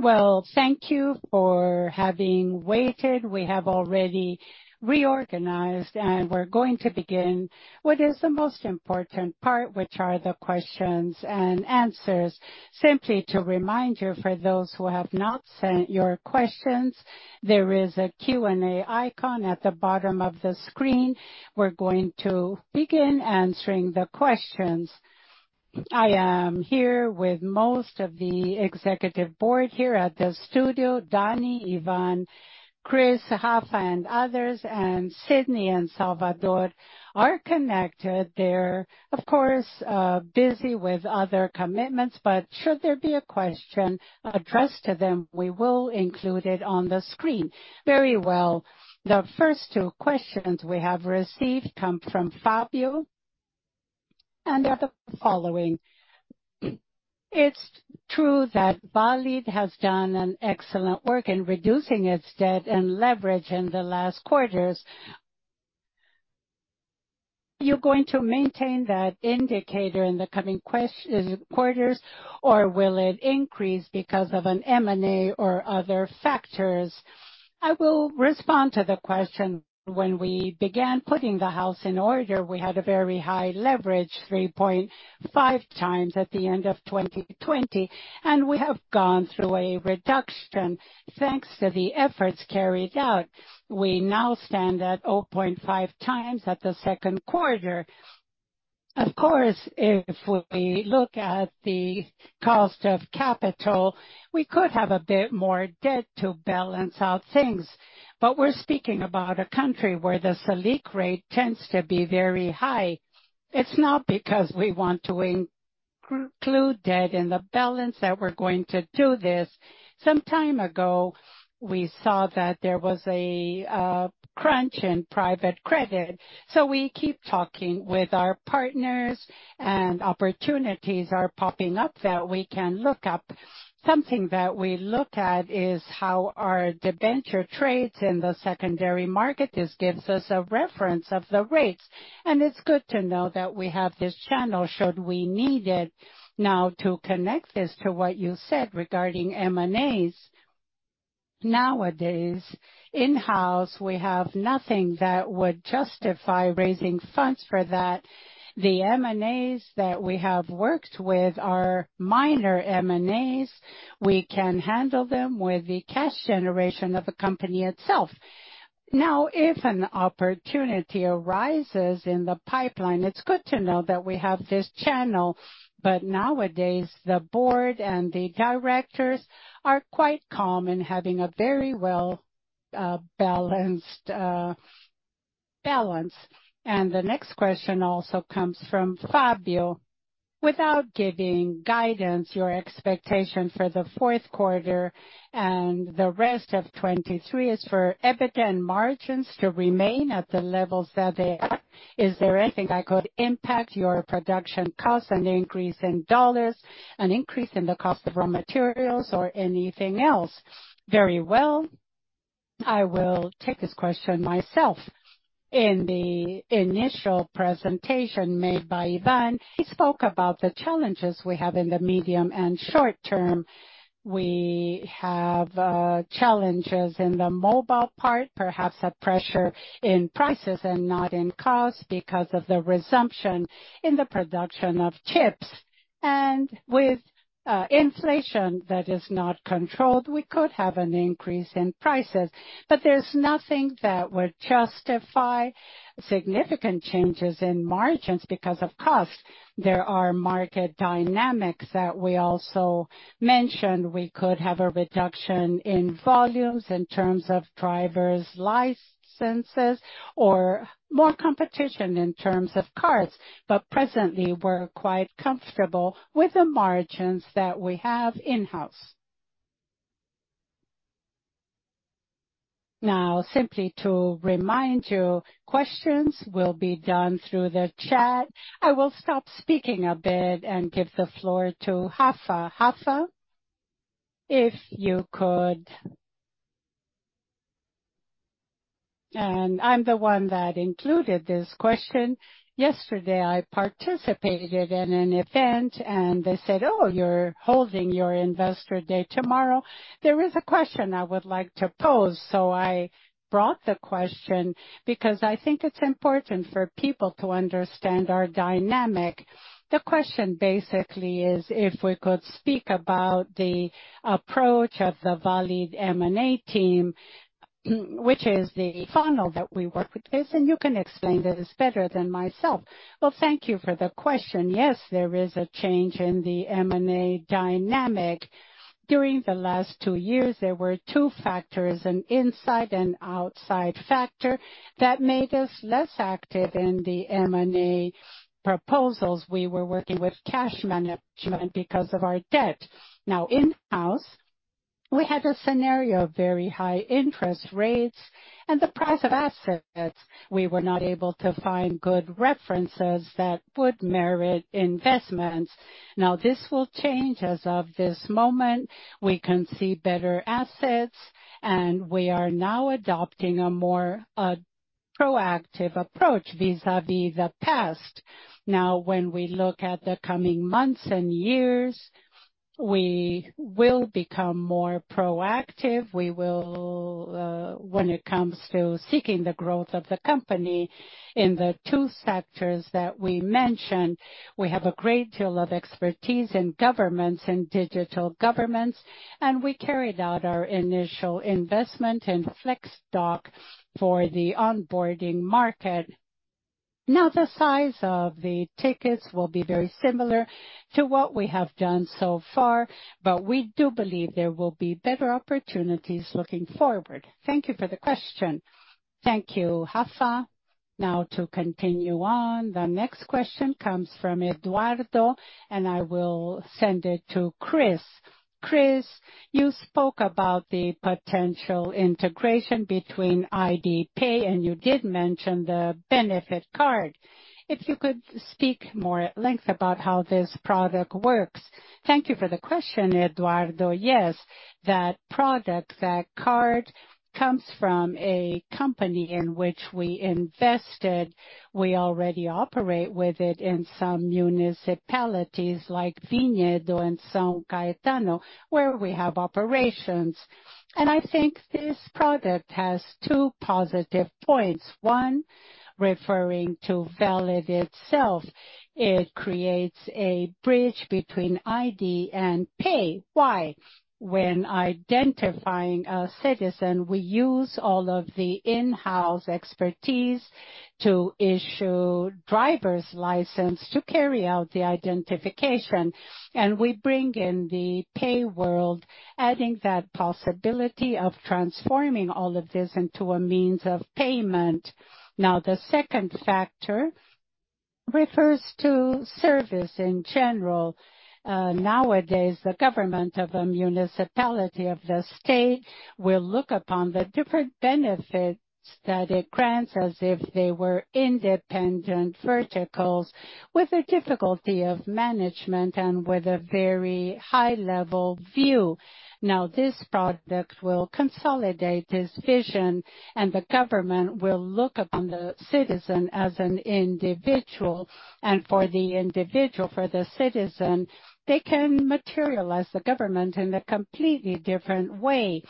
Well, thank you for having waited. We have already reorganized, and we're going to begin what is the most important part, which are the questions and answers. Simply to remind you, for those who have not sent your questions, there is a Q&A icon at the bottom of the screen. We're going to begin answering the questions. I am here with most of the executive board here at the studio, Danny, Ivan, Chris, Rafa, and others, and Sidney and Salvador are connected. They're, of course, busy with other commitments, but should there be a question addressed to them, we will include it on the screen. Very well. The first two questions we have received come from Fabio and are the following: It's true that Valid has done an excellent work in reducing its debt and leverage in the last quarters. You're going to maintain that indicator in the coming quarters, or will it increase because of an M&A or other factors? I will respond to the question. When we began putting the house in order, we had a very high leverage, 3.5x at the end of 2020, and we have gone through a reduction. Thanks to the efforts carried out, we now stand at 0.5x at the second quarter. Of course, if we look at the cost of capital, we could have a bit more debt to balance out things, but we're speaking about a country where the Selic rate tends to be very high. It's not because we want to include debt in the balance that we're going to do this. Some time ago, we saw that there was a crunch in private credit, so we keep talking with our partners, and opportunities are popping up that we can look up. Something that we look at is how our debenture trades in the secondary market. This gives us a reference of the rates, and it's good to know that we have this channel should we need it. Now, to connect this to what you said regarding M&As. Nowadays, in-house, we have nothing that would justify raising funds for that. The M&As that we have worked with are minor M&As. We can handle them with the cash generation of the company itself. Now, if an opportunity arises in the pipeline, it's good to know that we have this channel, but nowadays, the board and the directors are quite calm in having a very well, balanced, balance. And the next question also comes from Fabio: Without giving guidance, your expectation for the fourth quarter and the rest of 2023 is for EBITDA margins to remain at the levels that they are. Is there anything that could impact your production costs, an increase in dollars, an increase in the cost of raw materials, or anything else? Very well. I will take this question myself. In the initial presentation made by Ivan, he spoke about the challenges we have in the medium and short term. We have, challenges in the mobile part, perhaps a pressure in prices and not in cost, because of the resumption in the production of chips. And with inflation that is not controlled, we could have an increase in prices, but there's nothing that would justify significant changes in margins because of cost. There are market dynamics that we also mentioned. We could have a reduction in volumes in terms of driver's licenses or more competition in terms of cars, but presently we're quite comfortable with the margins that we have in-house. Now, simply to remind you, questions will be done through the chat. I will stop speaking a bit and give the floor to Rafa. Rafa, if you could... And I'm the one that included this question. Yesterday, I participated in an event, and they said, "Oh, you're holding your investor day tomorrow." There is a question I would like to pose, so I brought the question because I think it's important for people to understand our dynamic. The question basically is, if we could speak about the approach of the Valid M&A team, which is the funnel that we work with, listen, you can explain this better than myself. Well, thank you for the question. Yes, there is a change in the M&A dynamic. During the last two years, there were two factors, an inside and outside factor, that made us less active in the M&A proposals. We were working with cash management because of our debt. Now, in-house, we had a scenario of very high interest rates and the price of assets. We were not able to find good references that would merit investments. Now, this will change. As of this moment, we can see better assets, and we are now adopting a more proactive approach vis-a-vis the past. Now, when we look at the coming months and years, we will become more proactive. We will, when it comes to seeking the growth of the company in the two sectors that we mentioned, we have a great deal of expertise in governments and digital governments, and we carried out our initial investment in Flexdoc for the onboarding market. Now, the size of the tickets will be very similar to what we have done so far, but we do believe there will be better opportunities looking forward. Thank you for the question. Thank you, Rafa. Now, to continue on, the next question comes from Eduardo, and I will send it to Chris. Chris, you spoke about the potential integration between IDPay, and you did mention the benefit card. If you could speak more at length about how this product works. Thank you for the question, Eduardo. Yes, that product, that card, comes from a company in which we invested. We already operate with it in some municipalities like Vinhedo and São Caetano, where we have operations. And I think this product has two positive points. One, referring to Valid itself, it creates a bridge between ID and pay. Why? When identifying a citizen, we use all of the in-house expertise to issue driver's license, to carry out the identification, and we bring in the pay world, adding that possibility of transforming all of this into a means of payment. Now, the second factor refers to service in general. Nowadays, the government of a municipality of the state will look upon the different benefits that it grants as if they were independent verticals, with a difficulty of management and with a very high-level view. Now, this product will consolidate this vision, and the government will look upon the citizen as an individual, and for the individual, for the citizen, they can materialize the government in a completely different way.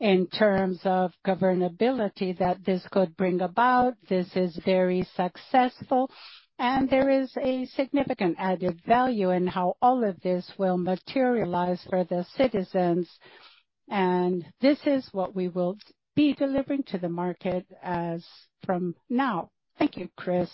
In terms of governability that this could bring about, this is very successful, and there is a significant added value in how all of this will materialize for the citizens. This is what we will be delivering to the market as from now. Thank you, Chris.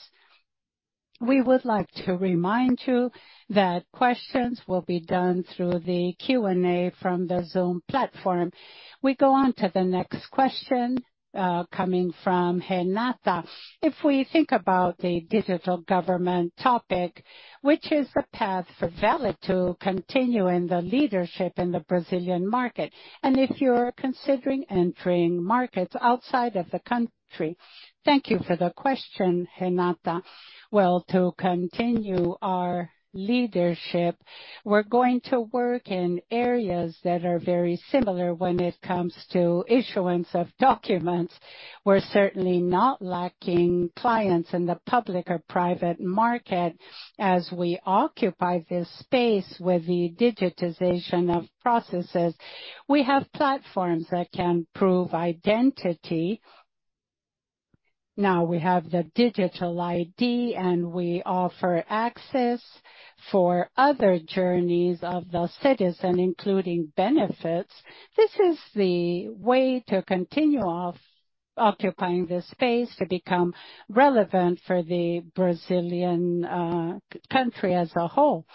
We would like to remind you that questions will be done through the Q&A from the Zoom platform. We go on to the next question, coming from Renata. If we think about the digital government topic, which is the path for Valid to continue in the leadership in the Brazilian market, and if you're considering entering markets outside of the country? Thank you for the question, Renata. Well, to continue our leadership, we're going to work in areas that are very similar when it comes to issuance of documents. We're certainly not lacking clients in the public or private market as we occupy this space with the digitization of processes. We have platforms that can prove identity. Now we have the digital ID, and we offer access for other journeys of the citizen, including benefits. This is the way to continue off occupying this space, to become relevant for the Brazilian country as a whole.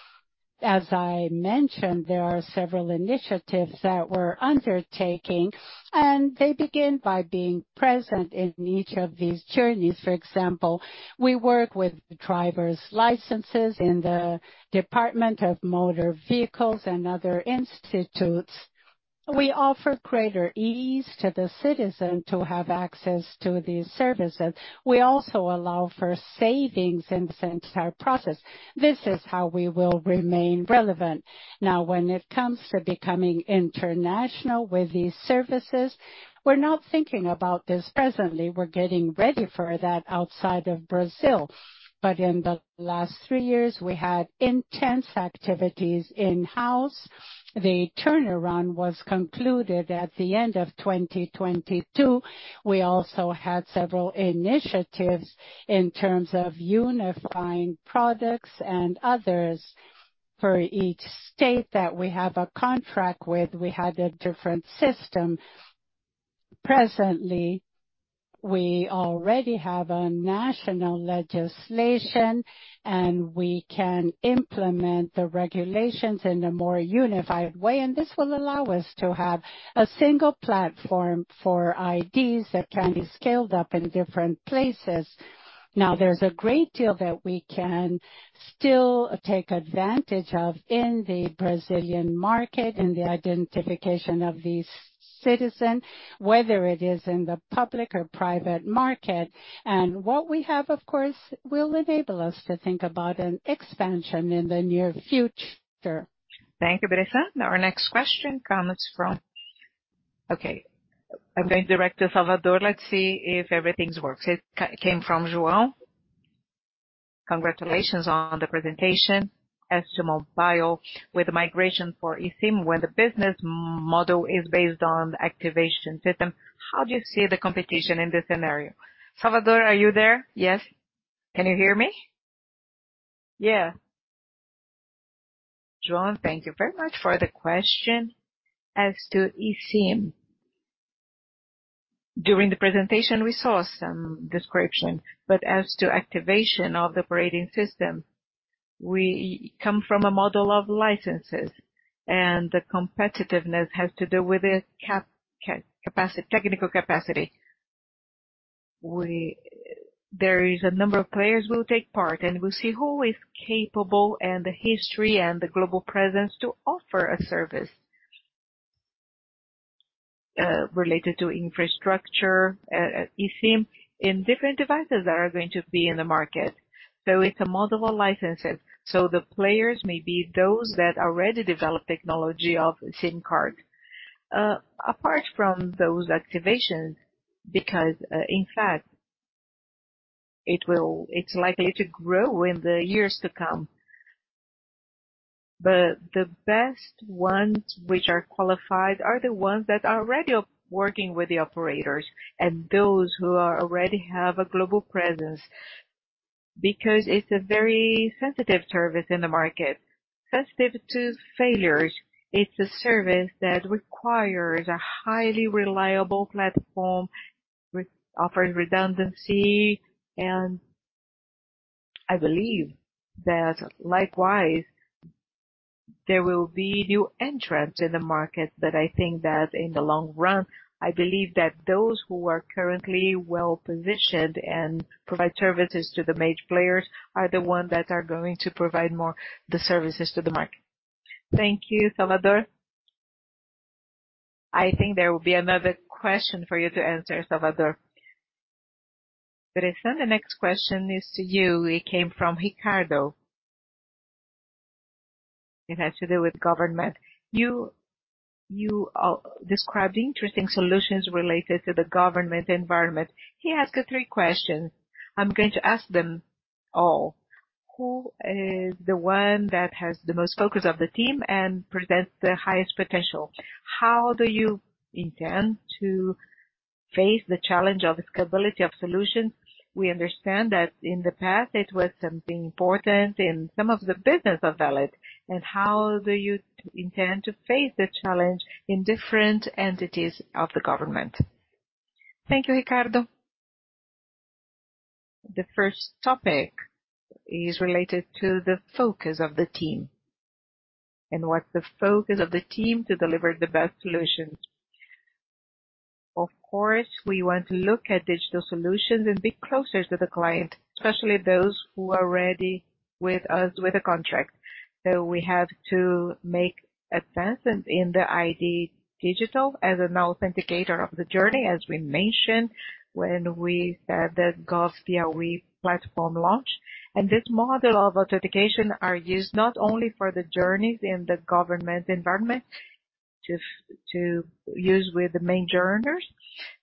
As I mentioned, there are several initiatives that we're undertaking, and they begin by being present in each of these journeys. For example, we work with driver's licenses in the Department of Motor Vehicles and other institutes. We offer greater ease to the citizen to have access to these services. We also allow for savings in the entire process. This is how we will remain relevant. Now, when it comes to becoming international with these services, we're not thinking about this presently. We're getting ready for that outside of Brazil. But in the last three years, we had intense activities in-house. The turnaround was concluded at the end of 2022. We also had several initiatives in terms of unifying products and others. For each state that we have a contract with, we had a different system. Presently, we already have a national legislation, and we can implement the regulations in a more unified way, and this will allow us to have a single platform for IDs that can be scaled up in different places. Now, there's a great deal that we can still take advantage of in the Brazilian market, in the identification of these citizens, whether it is in the public or private market. What we have, of course, will enable us to think about an expansion in the near future. Thank you, Bressan. Now our next question comes from... Okay, I'm going direct to Salvador. Let's see if everything's working. It came from João. Congratulations on the presentation. As to mobile, with migration for eSIM, where the business model is based on the activation system, how do you see the competition in this scenario? Salvador, are you there? Yes. Can you hear me? Yeah. João, thank you very much for the question. As to eSIM, during the presentation, we saw some description, but as to activation of the operating system, we come from a model of licenses, and the competitiveness has to do with the capacity, technical capacity. There is a number of players who will take part, and we'll see who is capable, and the history, and the global presence to offer a service related to infrastructure, eSIM, in different devices that are going to be in the market. So it's a model of licenses, so the players may be those that already develop technology of SIM card apart from those activations, because in fact, it's likely to grow in the years to come. But the best ones, which are qualified, are the ones that are already working with the operators and those who are, already have a global presence, because it's a very sensitive service in the market, sensitive to failures. It's a service that requires a highly reliable platform, which offers redundancy, and I believe that likewise- There will be new entrants in the market, but I think that in the long run, I believe that those who are currently well-positioned and provide services to the major players are the ones that are going to provide more the services to the market. Thank you, Salvador. I think there will be another question for you to answer, Salvador. But then the next question is to you. It came from Ricardo. It has to do with government. You, you, described interesting solutions related to the government environment. He asked you three questions. I'm going to ask them all. Who is the one that has the most focus of the team and presents the highest potential? How do you intend to face the challenge of scalability of solutions? We understand that in the past, it was something important in some of the business of Valid. How do you intend to face the challenge in different entities of the government? Thank you, Ricardo. The first topic is related to the focus of the team, and what's the focus of the team to deliver the best solutions. Of course, we want to look at digital solutions and be closer to the client, especially those who are already with us with a contract. We have to make advances in the ID digital as an authenticator of the journey, as we mentioned when we said that Gov.br platform launched, and this model of authentication is used not only for the journeys in the government environment, to use with the main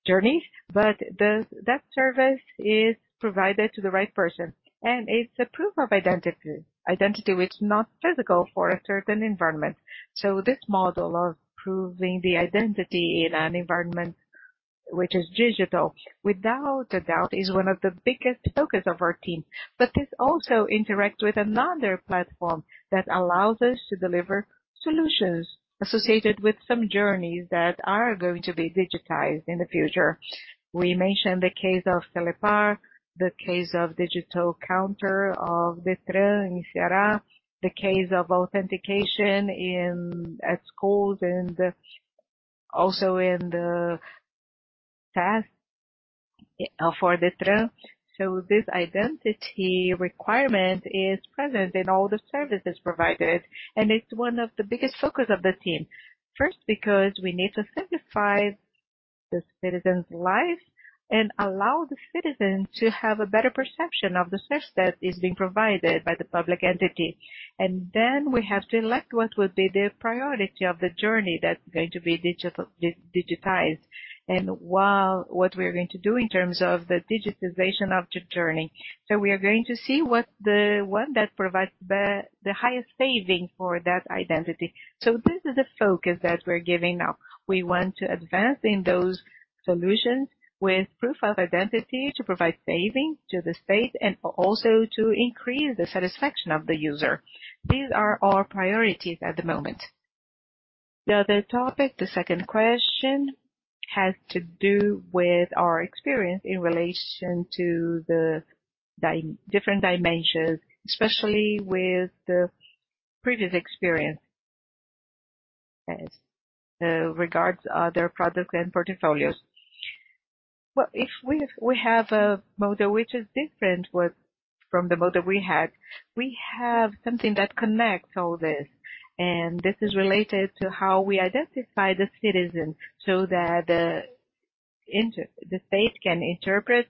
journeys, but that service is provided to the right person, and it's a proof of identity, identity which is not physical for a certain environment. So this model of proving the identity in an environment which is digital, without a doubt, is one of the biggest focus of our team. But this also interacts with another platform that allows us to deliver solutions associated with some journeys that are going to be digitized in the future. We mentioned the case of Celepar, the case of digital counter of Detran in Ceará, the case of authentication in, at schools and also in the task for Detran. So this identity requirement is present in all the services provided, and it's one of the biggest focus of the team. First, because we need to simplify the citizen's life and allow the citizen to have a better perception of the service that is being provided by the public entity. Then we have to select what would be the priority of the journey that's going to be digitized, and what we are going to do in terms of the digitalization of the journey. So we are going to see what the one that provides the highest saving for that identity. So this is the focus that we're giving now. We want to advance in those solutions with proof of identity, to provide saving to the state and also to increase the satisfaction of the user. These are our priorities at the moment. The other topic, the second question, has to do with our experience in relation to the different dimensions, especially with the previous experience regarding other products and portfolios. Well, we have a model which is different from the model we had. We have something that connects all this, and this is related to how we identify the citizen so that the state can interpret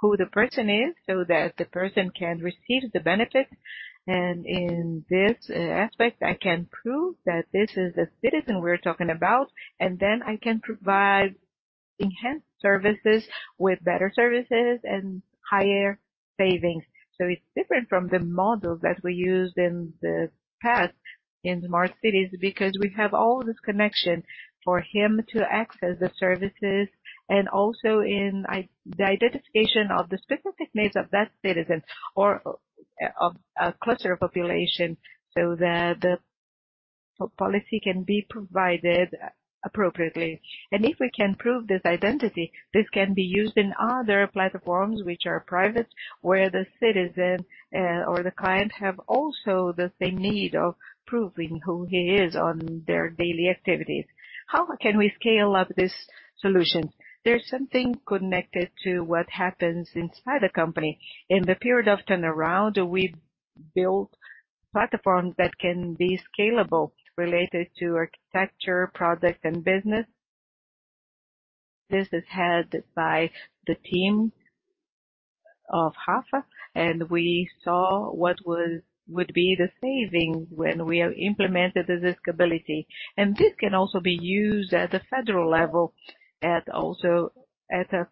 who the person is, so that the person can receive the benefit. And in this aspect, I can prove that this is the citizen we're talking about, and then I can provide enhanced services with better services and higher savings. So it's different from the models that we used in the past in smart cities, because we have all this connection for him to access the services and also the identification of the specific needs of that citizen or of a cluster population, so that the policy can be provided appropriately. If we can prove this identity, this can be used in other platforms which are private, where the citizen or the client have also the same need of proving who he is on their daily activities. How can we scale up this solution? There's something connected to what happens inside the company. In the period of turnaround, we've built platforms that can be scalable related to architecture, product, and business. This is headed by the team of Rafa, and we saw what would be the savings when we implemented this scalability. This can also be used at the federal level, also at a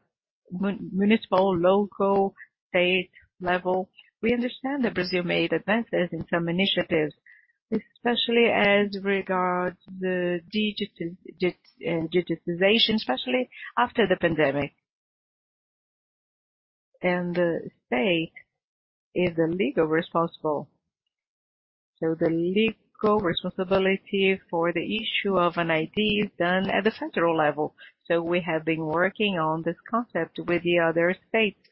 municipal, local, state level. We understand that Brazil made advances in some initiatives, especially as regards the digitalization, especially after the pandemic. The state is the legal responsible. So the legal responsibility for the issue of an ID is done at the central level. So we have been working on this concept with the other states...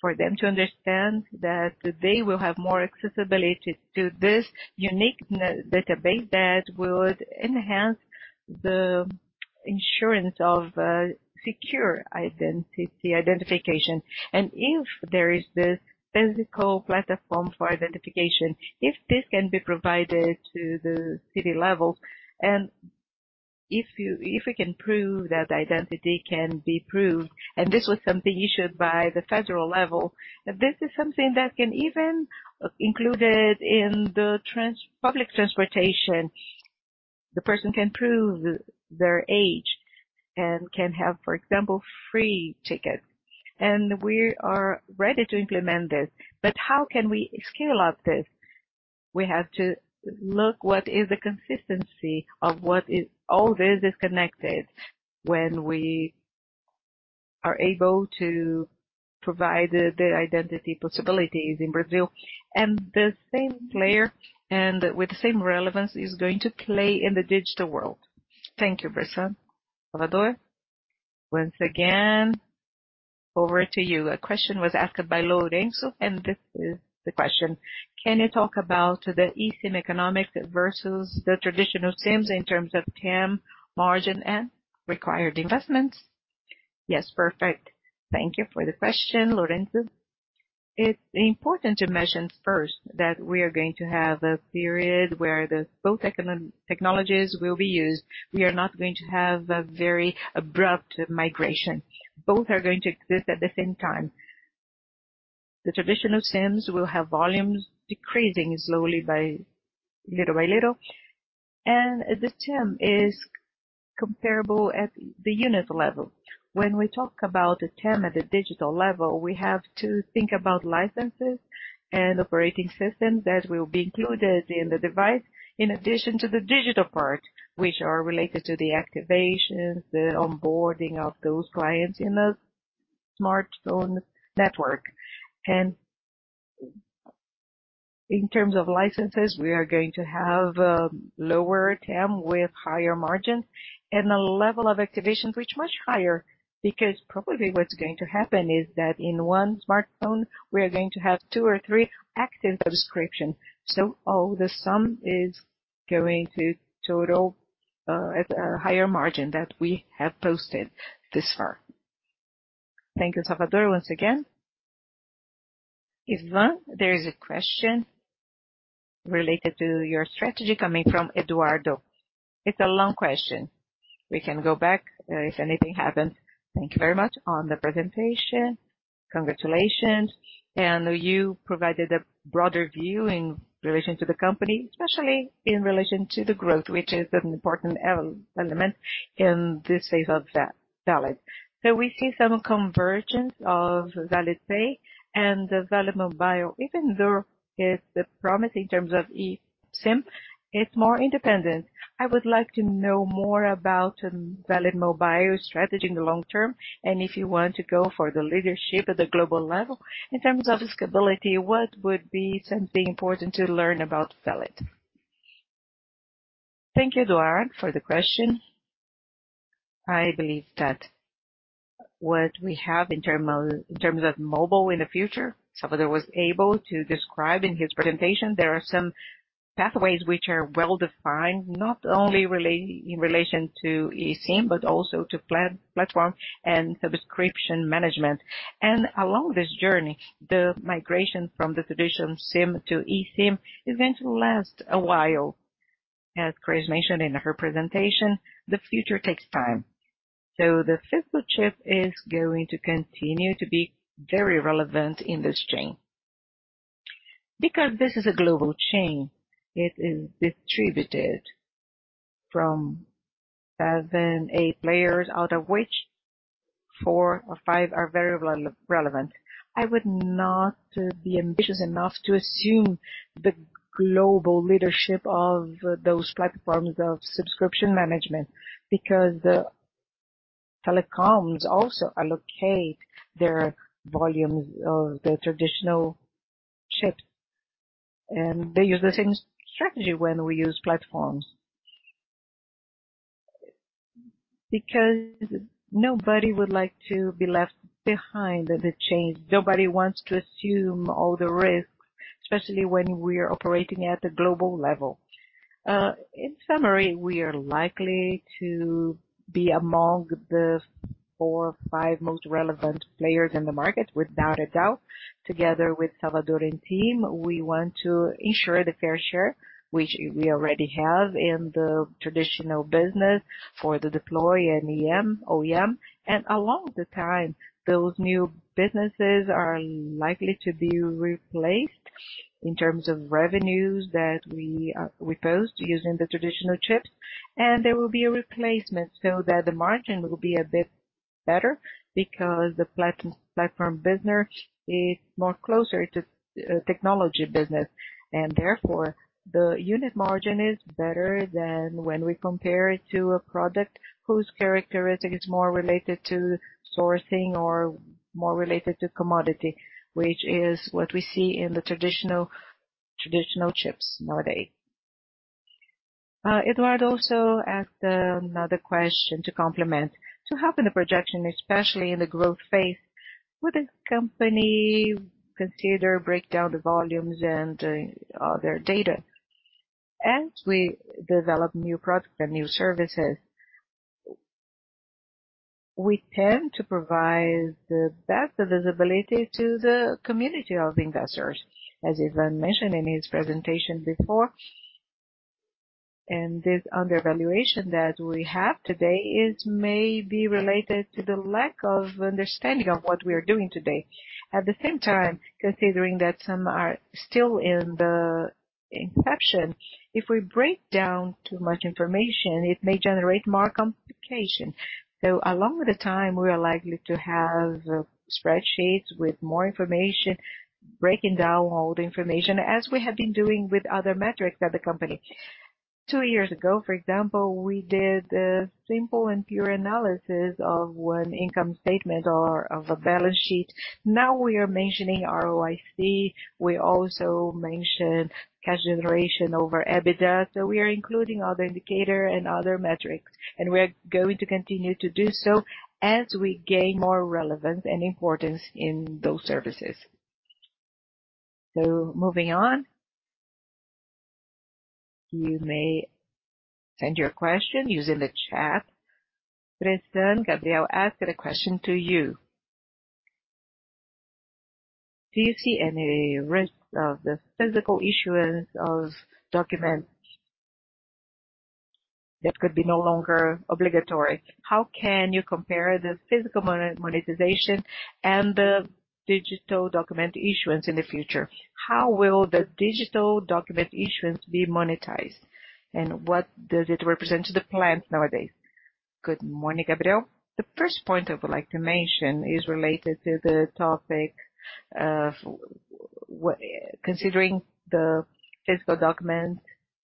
for them to understand that they will have more accessibility to this unique database that would enhance the insurance of secure identity, identification. And if there is this physical platform for identification, if this can be provided to the city level, and if we can prove that identity can be proved, and this was something issued by the federal level, this is something that can even included in the public transportation. The person can prove their age and can have, for example, free tickets. And we are ready to implement this. But how can we scale up this? We have to look what is the consistency of what is—all this is connected when we are able to provide the, the identity possibilities in Brazil, and the same player and with the same relevance, is going to play in the digital world. Thank you, Bressan. Salvador, once again, over to you. A question was asked by Lorenzo, and this is the question: Can you talk about the eSIM economics versus the traditional SIMs in terms of TAM, margin, and required investments? Yes, perfect. Thank you for the question, Lorenzo. It's important to mention first that we are going to have a period where both technologies will be used. We are not going to have a very abrupt migration. Both are going to exist at the same time. The traditional SIMs will have volumes decreasing slowly, little by little, and the TAM is comparable at the unit level. When we talk about the TAM at the digital level, we have to think about licenses and operating systems that will be included in the device, in addition to the digital part, which are related to the activations, the onboarding of those clients in the smartphone network. In terms of licenses, we are going to have lower TAM with higher margin and a level of activation, which is much higher, because probably what's going to happen is that in one smartphone, we are going to have two or three active subscription. All the sum is going to total at a higher margin that we have posted this far. Thank you, Salvador, once again. Ivan, there is a question related to your strategy coming from Eduardo. It's a long question. We can go back if anything happens. Thank you very much on the presentation. Congratulations. You provided a broader view in relation to the company, especially in relation to the growth, which is an important element in this phase of Valid. We see some convergence of Valid Pay and Valid Mobile, even though it's promising in terms of eSIM, it's more independent. I would like to know more about Valid Mobile strategy in the long term, and if you want to go for the leadership at the global level. In terms of scalability, what would be something important to learn about Valid? Thank you, Eduardo, for the question. I believe that what we have in terms of mobile in the future, Salvador was able to describe in his presentation. There are some pathways which are well-defined, not only related, in relation to eSIM, but also to platform and subscription management. Along this journey, the migration from the traditional SIM to eSIM is going to last a while. As Chris mentioned in her presentation, the future takes time, so the physical chip is going to continue to be very relevant in this chain. Because this is a global chain, it is distributed from seven, eight players, out of which four or five are very relevant. I would not be ambitious enough to assume the global leadership of those platforms of subscription management, because the telecoms also allocate their volumes of the traditional chip, and they use the same strategy when we use platforms. Because nobody would like to be left behind in the change. Nobody wants to assume all the risks, especially when we're operating at a global level. In summary, we are likely to be among the 4-5 most relevant players in the market, without a doubt. Together with Salvador and team, we want to ensure the fair share, which we already have in the traditional business for the deployment, eSIM, OEM. Along the time, those new businesses are likely to be replaced in terms of revenues that we post using the traditional chips, and there will be a replacement so that the margin will be a bit better because the platform business is more closer to technology business, and therefore, the unit margin is better than when we compare it to a product whose characteristic is more related to sourcing or more related to commodity, which is what we see in the traditional chips nowadays. Eduardo also asked another question to complement. To help in the projection, especially in the growth phase, would the company consider break down the volumes and other data? As we develop new products and new services, we tend to provide the best visibility to the community of investors, as Ivan mentioned in his presentation before. This undervaluation that we have today is maybe related to the lack of understanding of what we are doing today. At the same time, considering that some are still in the inception, if we break down too much information, it may generate more complication. So along with the time, we are likely to have spreadsheets with more information, breaking down all the information as we have been doing with other metrics at the company. Two years ago, for example, we did a simple and pure analysis of one income statement or of a balance sheet. Now we are mentioning ROIC. We also mentioned cash generation over EBITDA. So we are including other indicator and other metrics, and we are going to continue to do so as we gain more relevance and importance in those services. So moving on, you may send your question using the chat. Preston, Gabriel asked a question to you. Do you see any risk of the physical issuance of document that could be no longer obligatory? How can you compare the physical monetization and the digital document issuance in the future? How will the digital document issuance be monetized, and what does it represent to the plan nowadays? Good morning, Gabriel. The first point I would like to mention is related to the topic of considering the physical document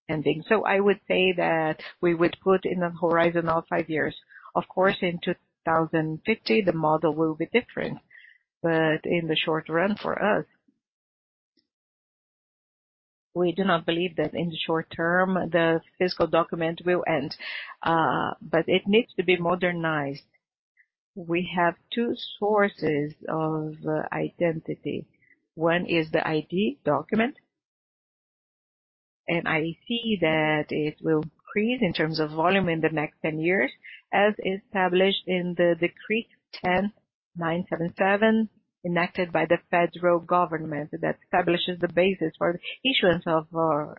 ending. So I would say that we would put in a horizon of five years. Of course, in 2050, the model will be different, but in the short run, for us, we do not believe that in the short term, the physical document will end, but it needs to be modernized. We have two sources of identity. One is the ID document, and I see that it will increase in terms of volume in the next 10 years, as established in the Decree 10,977, enacted by the federal government that establishes the basis for the issuance of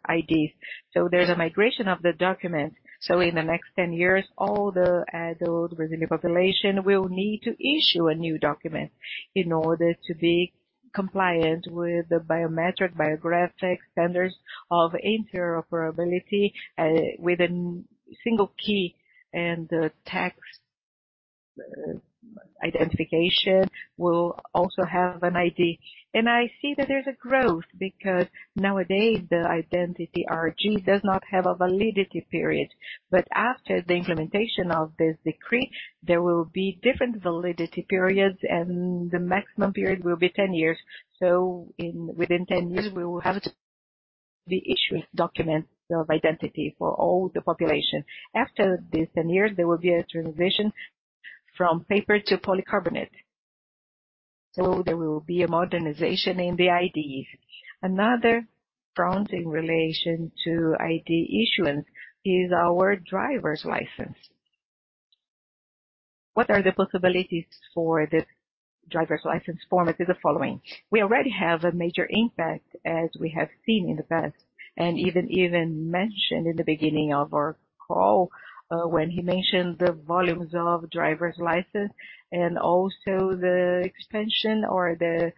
IDs. So there's a migration of the document. So in the next 10 years, all the adult Brazilian population will need to issue a new document in order to be compliant with the biometric, biographic standards of interoperability with a single key, and the tax identification will also have an ID. And I see that there's a growth because nowadays, the identity RG does not have a validity period, but after the implementation of this decree, there will be different validity periods, and the maximum period will be 10 years. Within 10 years, we will have the issuance document of identity for all the population. After this 10 years, there will be a transition from paper to polycarbonate, so there will be a modernization in the IDs. Another front in relation to ID issuance is our driver's license. What are the possibilities for the driver's license format is the following: We already have a major impact, as we have seen in the past, and even mentioned in the beginning of our call, when he mentioned the volumes of driver's license and also the extension or the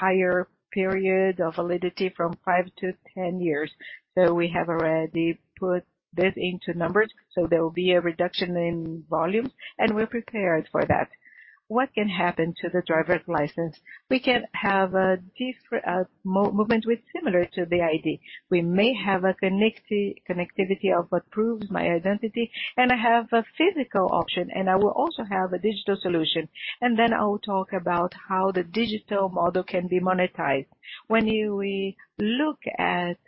higher period of validity from 5 to 10 years. So we have already put this into numbers, so there will be a reduction in volume, and we're prepared for that. What can happen to the driver's license? We can have a different movement similar to the ID. We may have a connectivity of what proves my identity, I have a physical option, I will also have a digital solution. I will talk about how the digital model can be monetized. When we look at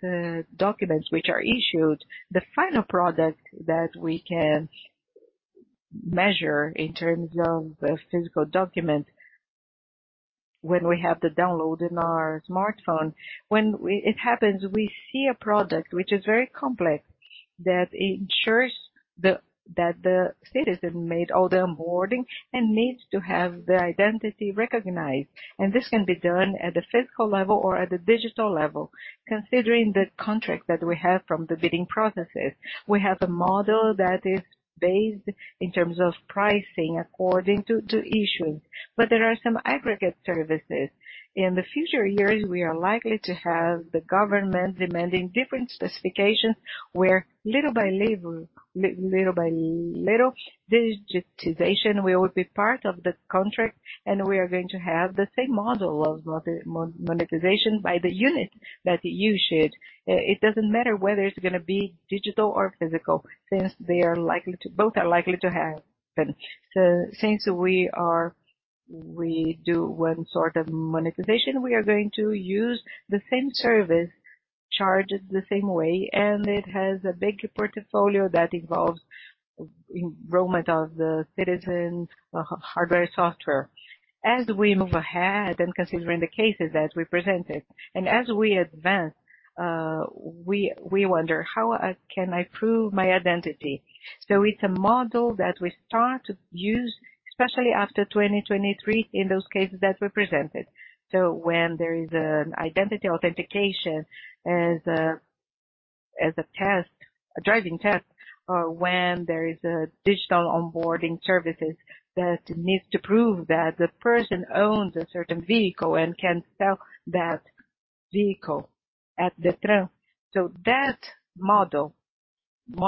documents which are issued, the final product that we can measure in terms of the physical document, when we have the download in our smartphone, when it happens, we see a product which is very complex, that ensures that the citizen made all the onboarding and needs to have their identity recognized, and this can be done at the physical level or at the digital level. Considering the contract that we have from the bidding processes, we have a model that is based in terms of pricing according to issue, but there are some aggregate services. In the future years, we are likely to have the government demanding different specifications, where little by little, digitization will be part of the contract, and we are going to have the same model of monetization by the unit that you issued. It doesn't matter whether it's gonna be digital or physical, since both are likely to happen. We do one sort of monetization. We are going to use the same service, charged the same way, and it has a big portfolio that involves enrollment of the citizens, hardware, software. As we move ahead and considering the cases that we presented and as we advance, we wonder, how can I prove my identity? So it's a model that we start to use, especially after 2023, in those cases that were presented. So when there is an identity authentication as a test, a driving test, or when there is a digital onboarding services that needs to prove that the person owns a certain vehicle and can sell that vehicle at the term. So that model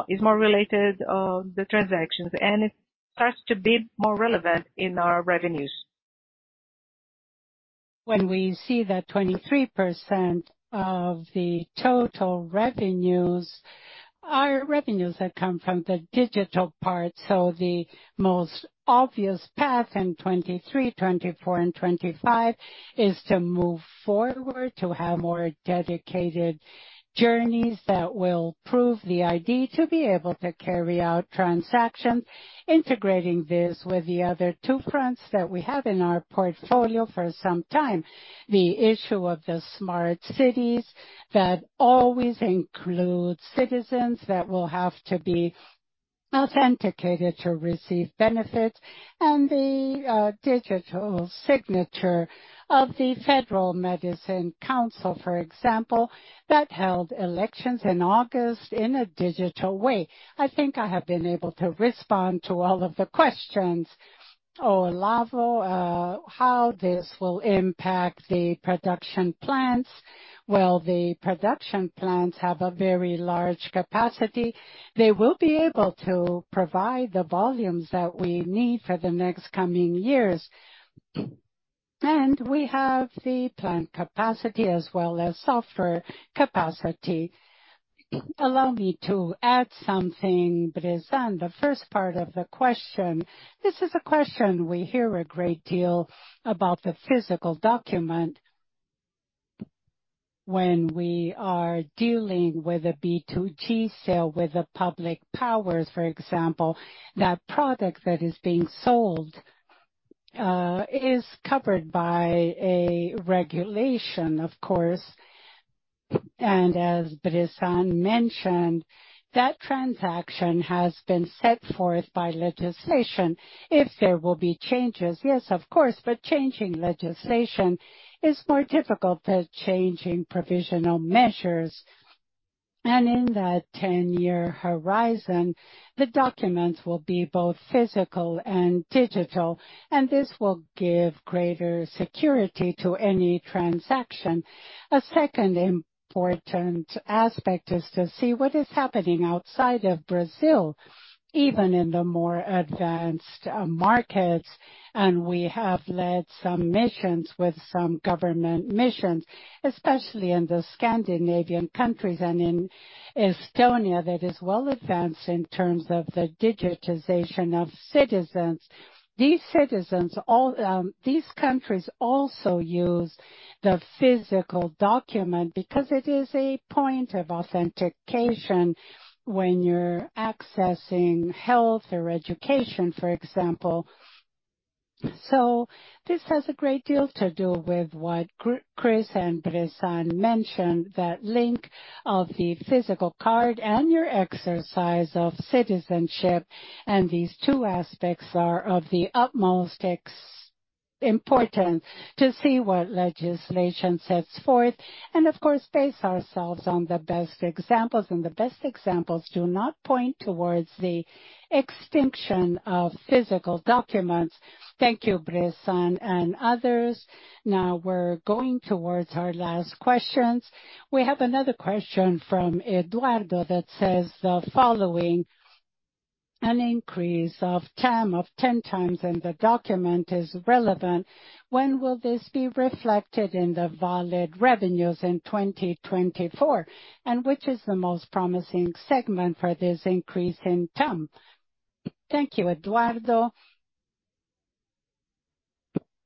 is more related on the transactions, and it starts to be more relevant in our revenues. When we see that 23% of the total revenues are revenues that come from the digital part, the most obvious path in 2023, 2024 and 2025 is to move forward to have more dedicated journeys that will prove the ID to be able to carry out transactions, integrating this with the other two fronts that we have in our portfolio for some time. The issue of the smart cities, that always includes citizens that will have to be authenticated to receive benefits, and the digital signature of the Federal Medicine Council, for example, that held elections in August in a digital way. I think I have been able to respond to all of the questions. Olavo, how this will impact the production plants? Well, the production plants have a very large capacity. They will be able to provide the volumes that we need for the next coming years. We have the plant capacity as well as software capacity. Allow me to add something, Bressan. The first part of the question, this is a question we hear a great deal about the physical document. When we are dealing with a B2G sale, with the public powers, for example, that product that is being sold is covered by a regulation, of course, and as Bressan mentioned, that transaction has been set forth by legislation. If there will be changes, yes, of course, but changing legislation is more difficult than changing provisional measures. In that ten-year horizon, the documents will be both physical and digital, and this will give greater security to any transaction. A second important aspect is to see what is happening outside of Brazil, even in the more advanced markets, and we have led some missions with some government missions, especially in the Scandinavian countries and in Estonia, that is well advanced in terms of the digitization of citizens. These citizens, all—These countries also use the physical document because it is a point of authentication when you're accessing health or education, for example. So this has a great deal to do with what Chris and Bressan mentioned, that link of the physical card and your exercise of citizenship, and these two aspects are of the utmost importance, to see what legislation sets forth and of course, base ourselves on the best examples, and the best examples do not point towards the extinction of physical documents. Thank you, Bressan and others. Now we're going towards our last questions. We have another question from Eduardo that says the following: An increase of TAM of 10 times, and the document is relevant. When will this be reflected in the Valid revenues in 2024? And which is the most promising segment for this increase in TAM? Thank you, Eduardo.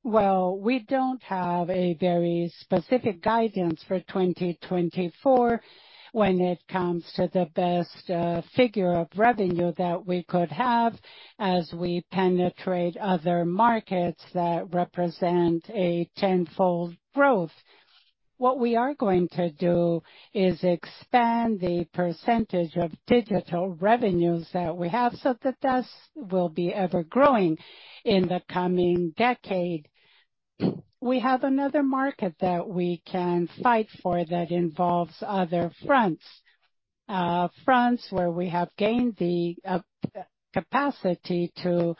Well, we don't have a very specific guidance for 2024 when it comes to the best, figure of revenue that we could have as we penetrate other markets that represent a tenfold growth. What we are going to do is expand the percentage of digital revenues that we have, so that this will be ever-growing in the coming decade. We have another market that we can fight for that involves other fronts. Fronts where we have gained the capacity to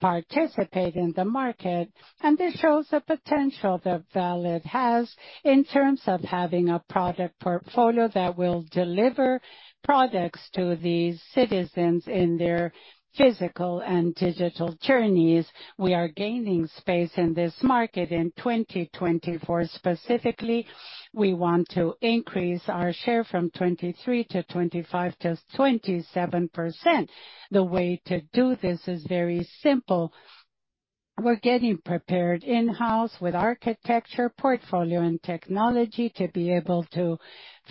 participate in the market, and this shows the potential that Valid has in terms of having a product portfolio that will deliver products to these citizens in their physical and digital journeys. We are gaining space in this market. In 2024, specifically, we want to increase our share from 23% to 25%-27%. The way to do this is very simple. We're getting prepared in-house with architecture, portfolio and technology, to be able to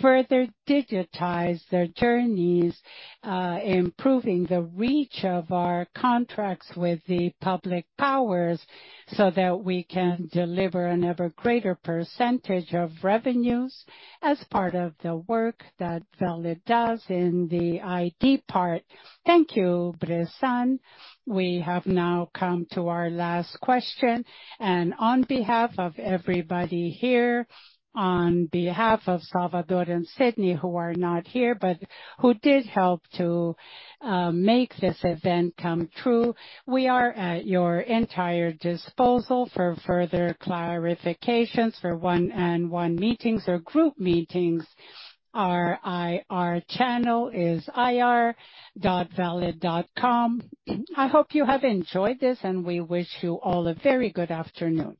further digitize their journeys, improving the reach of our contracts with the public powers, so that we can deliver an ever greater percentage of revenues as part of the work that Valid does in the IT part. Thank you, Bressan. We have now come to our last question, and on behalf of everybody here, on behalf of Salvador and Sidney, who are not here, but who did help to make this event come true, we are at your entire disposal for further clarifications, for one-on-one meetings or group meetings. Our IR channel is ir.valid.com. I hope you have enjoyed this, and we wish you all a very good afternoon.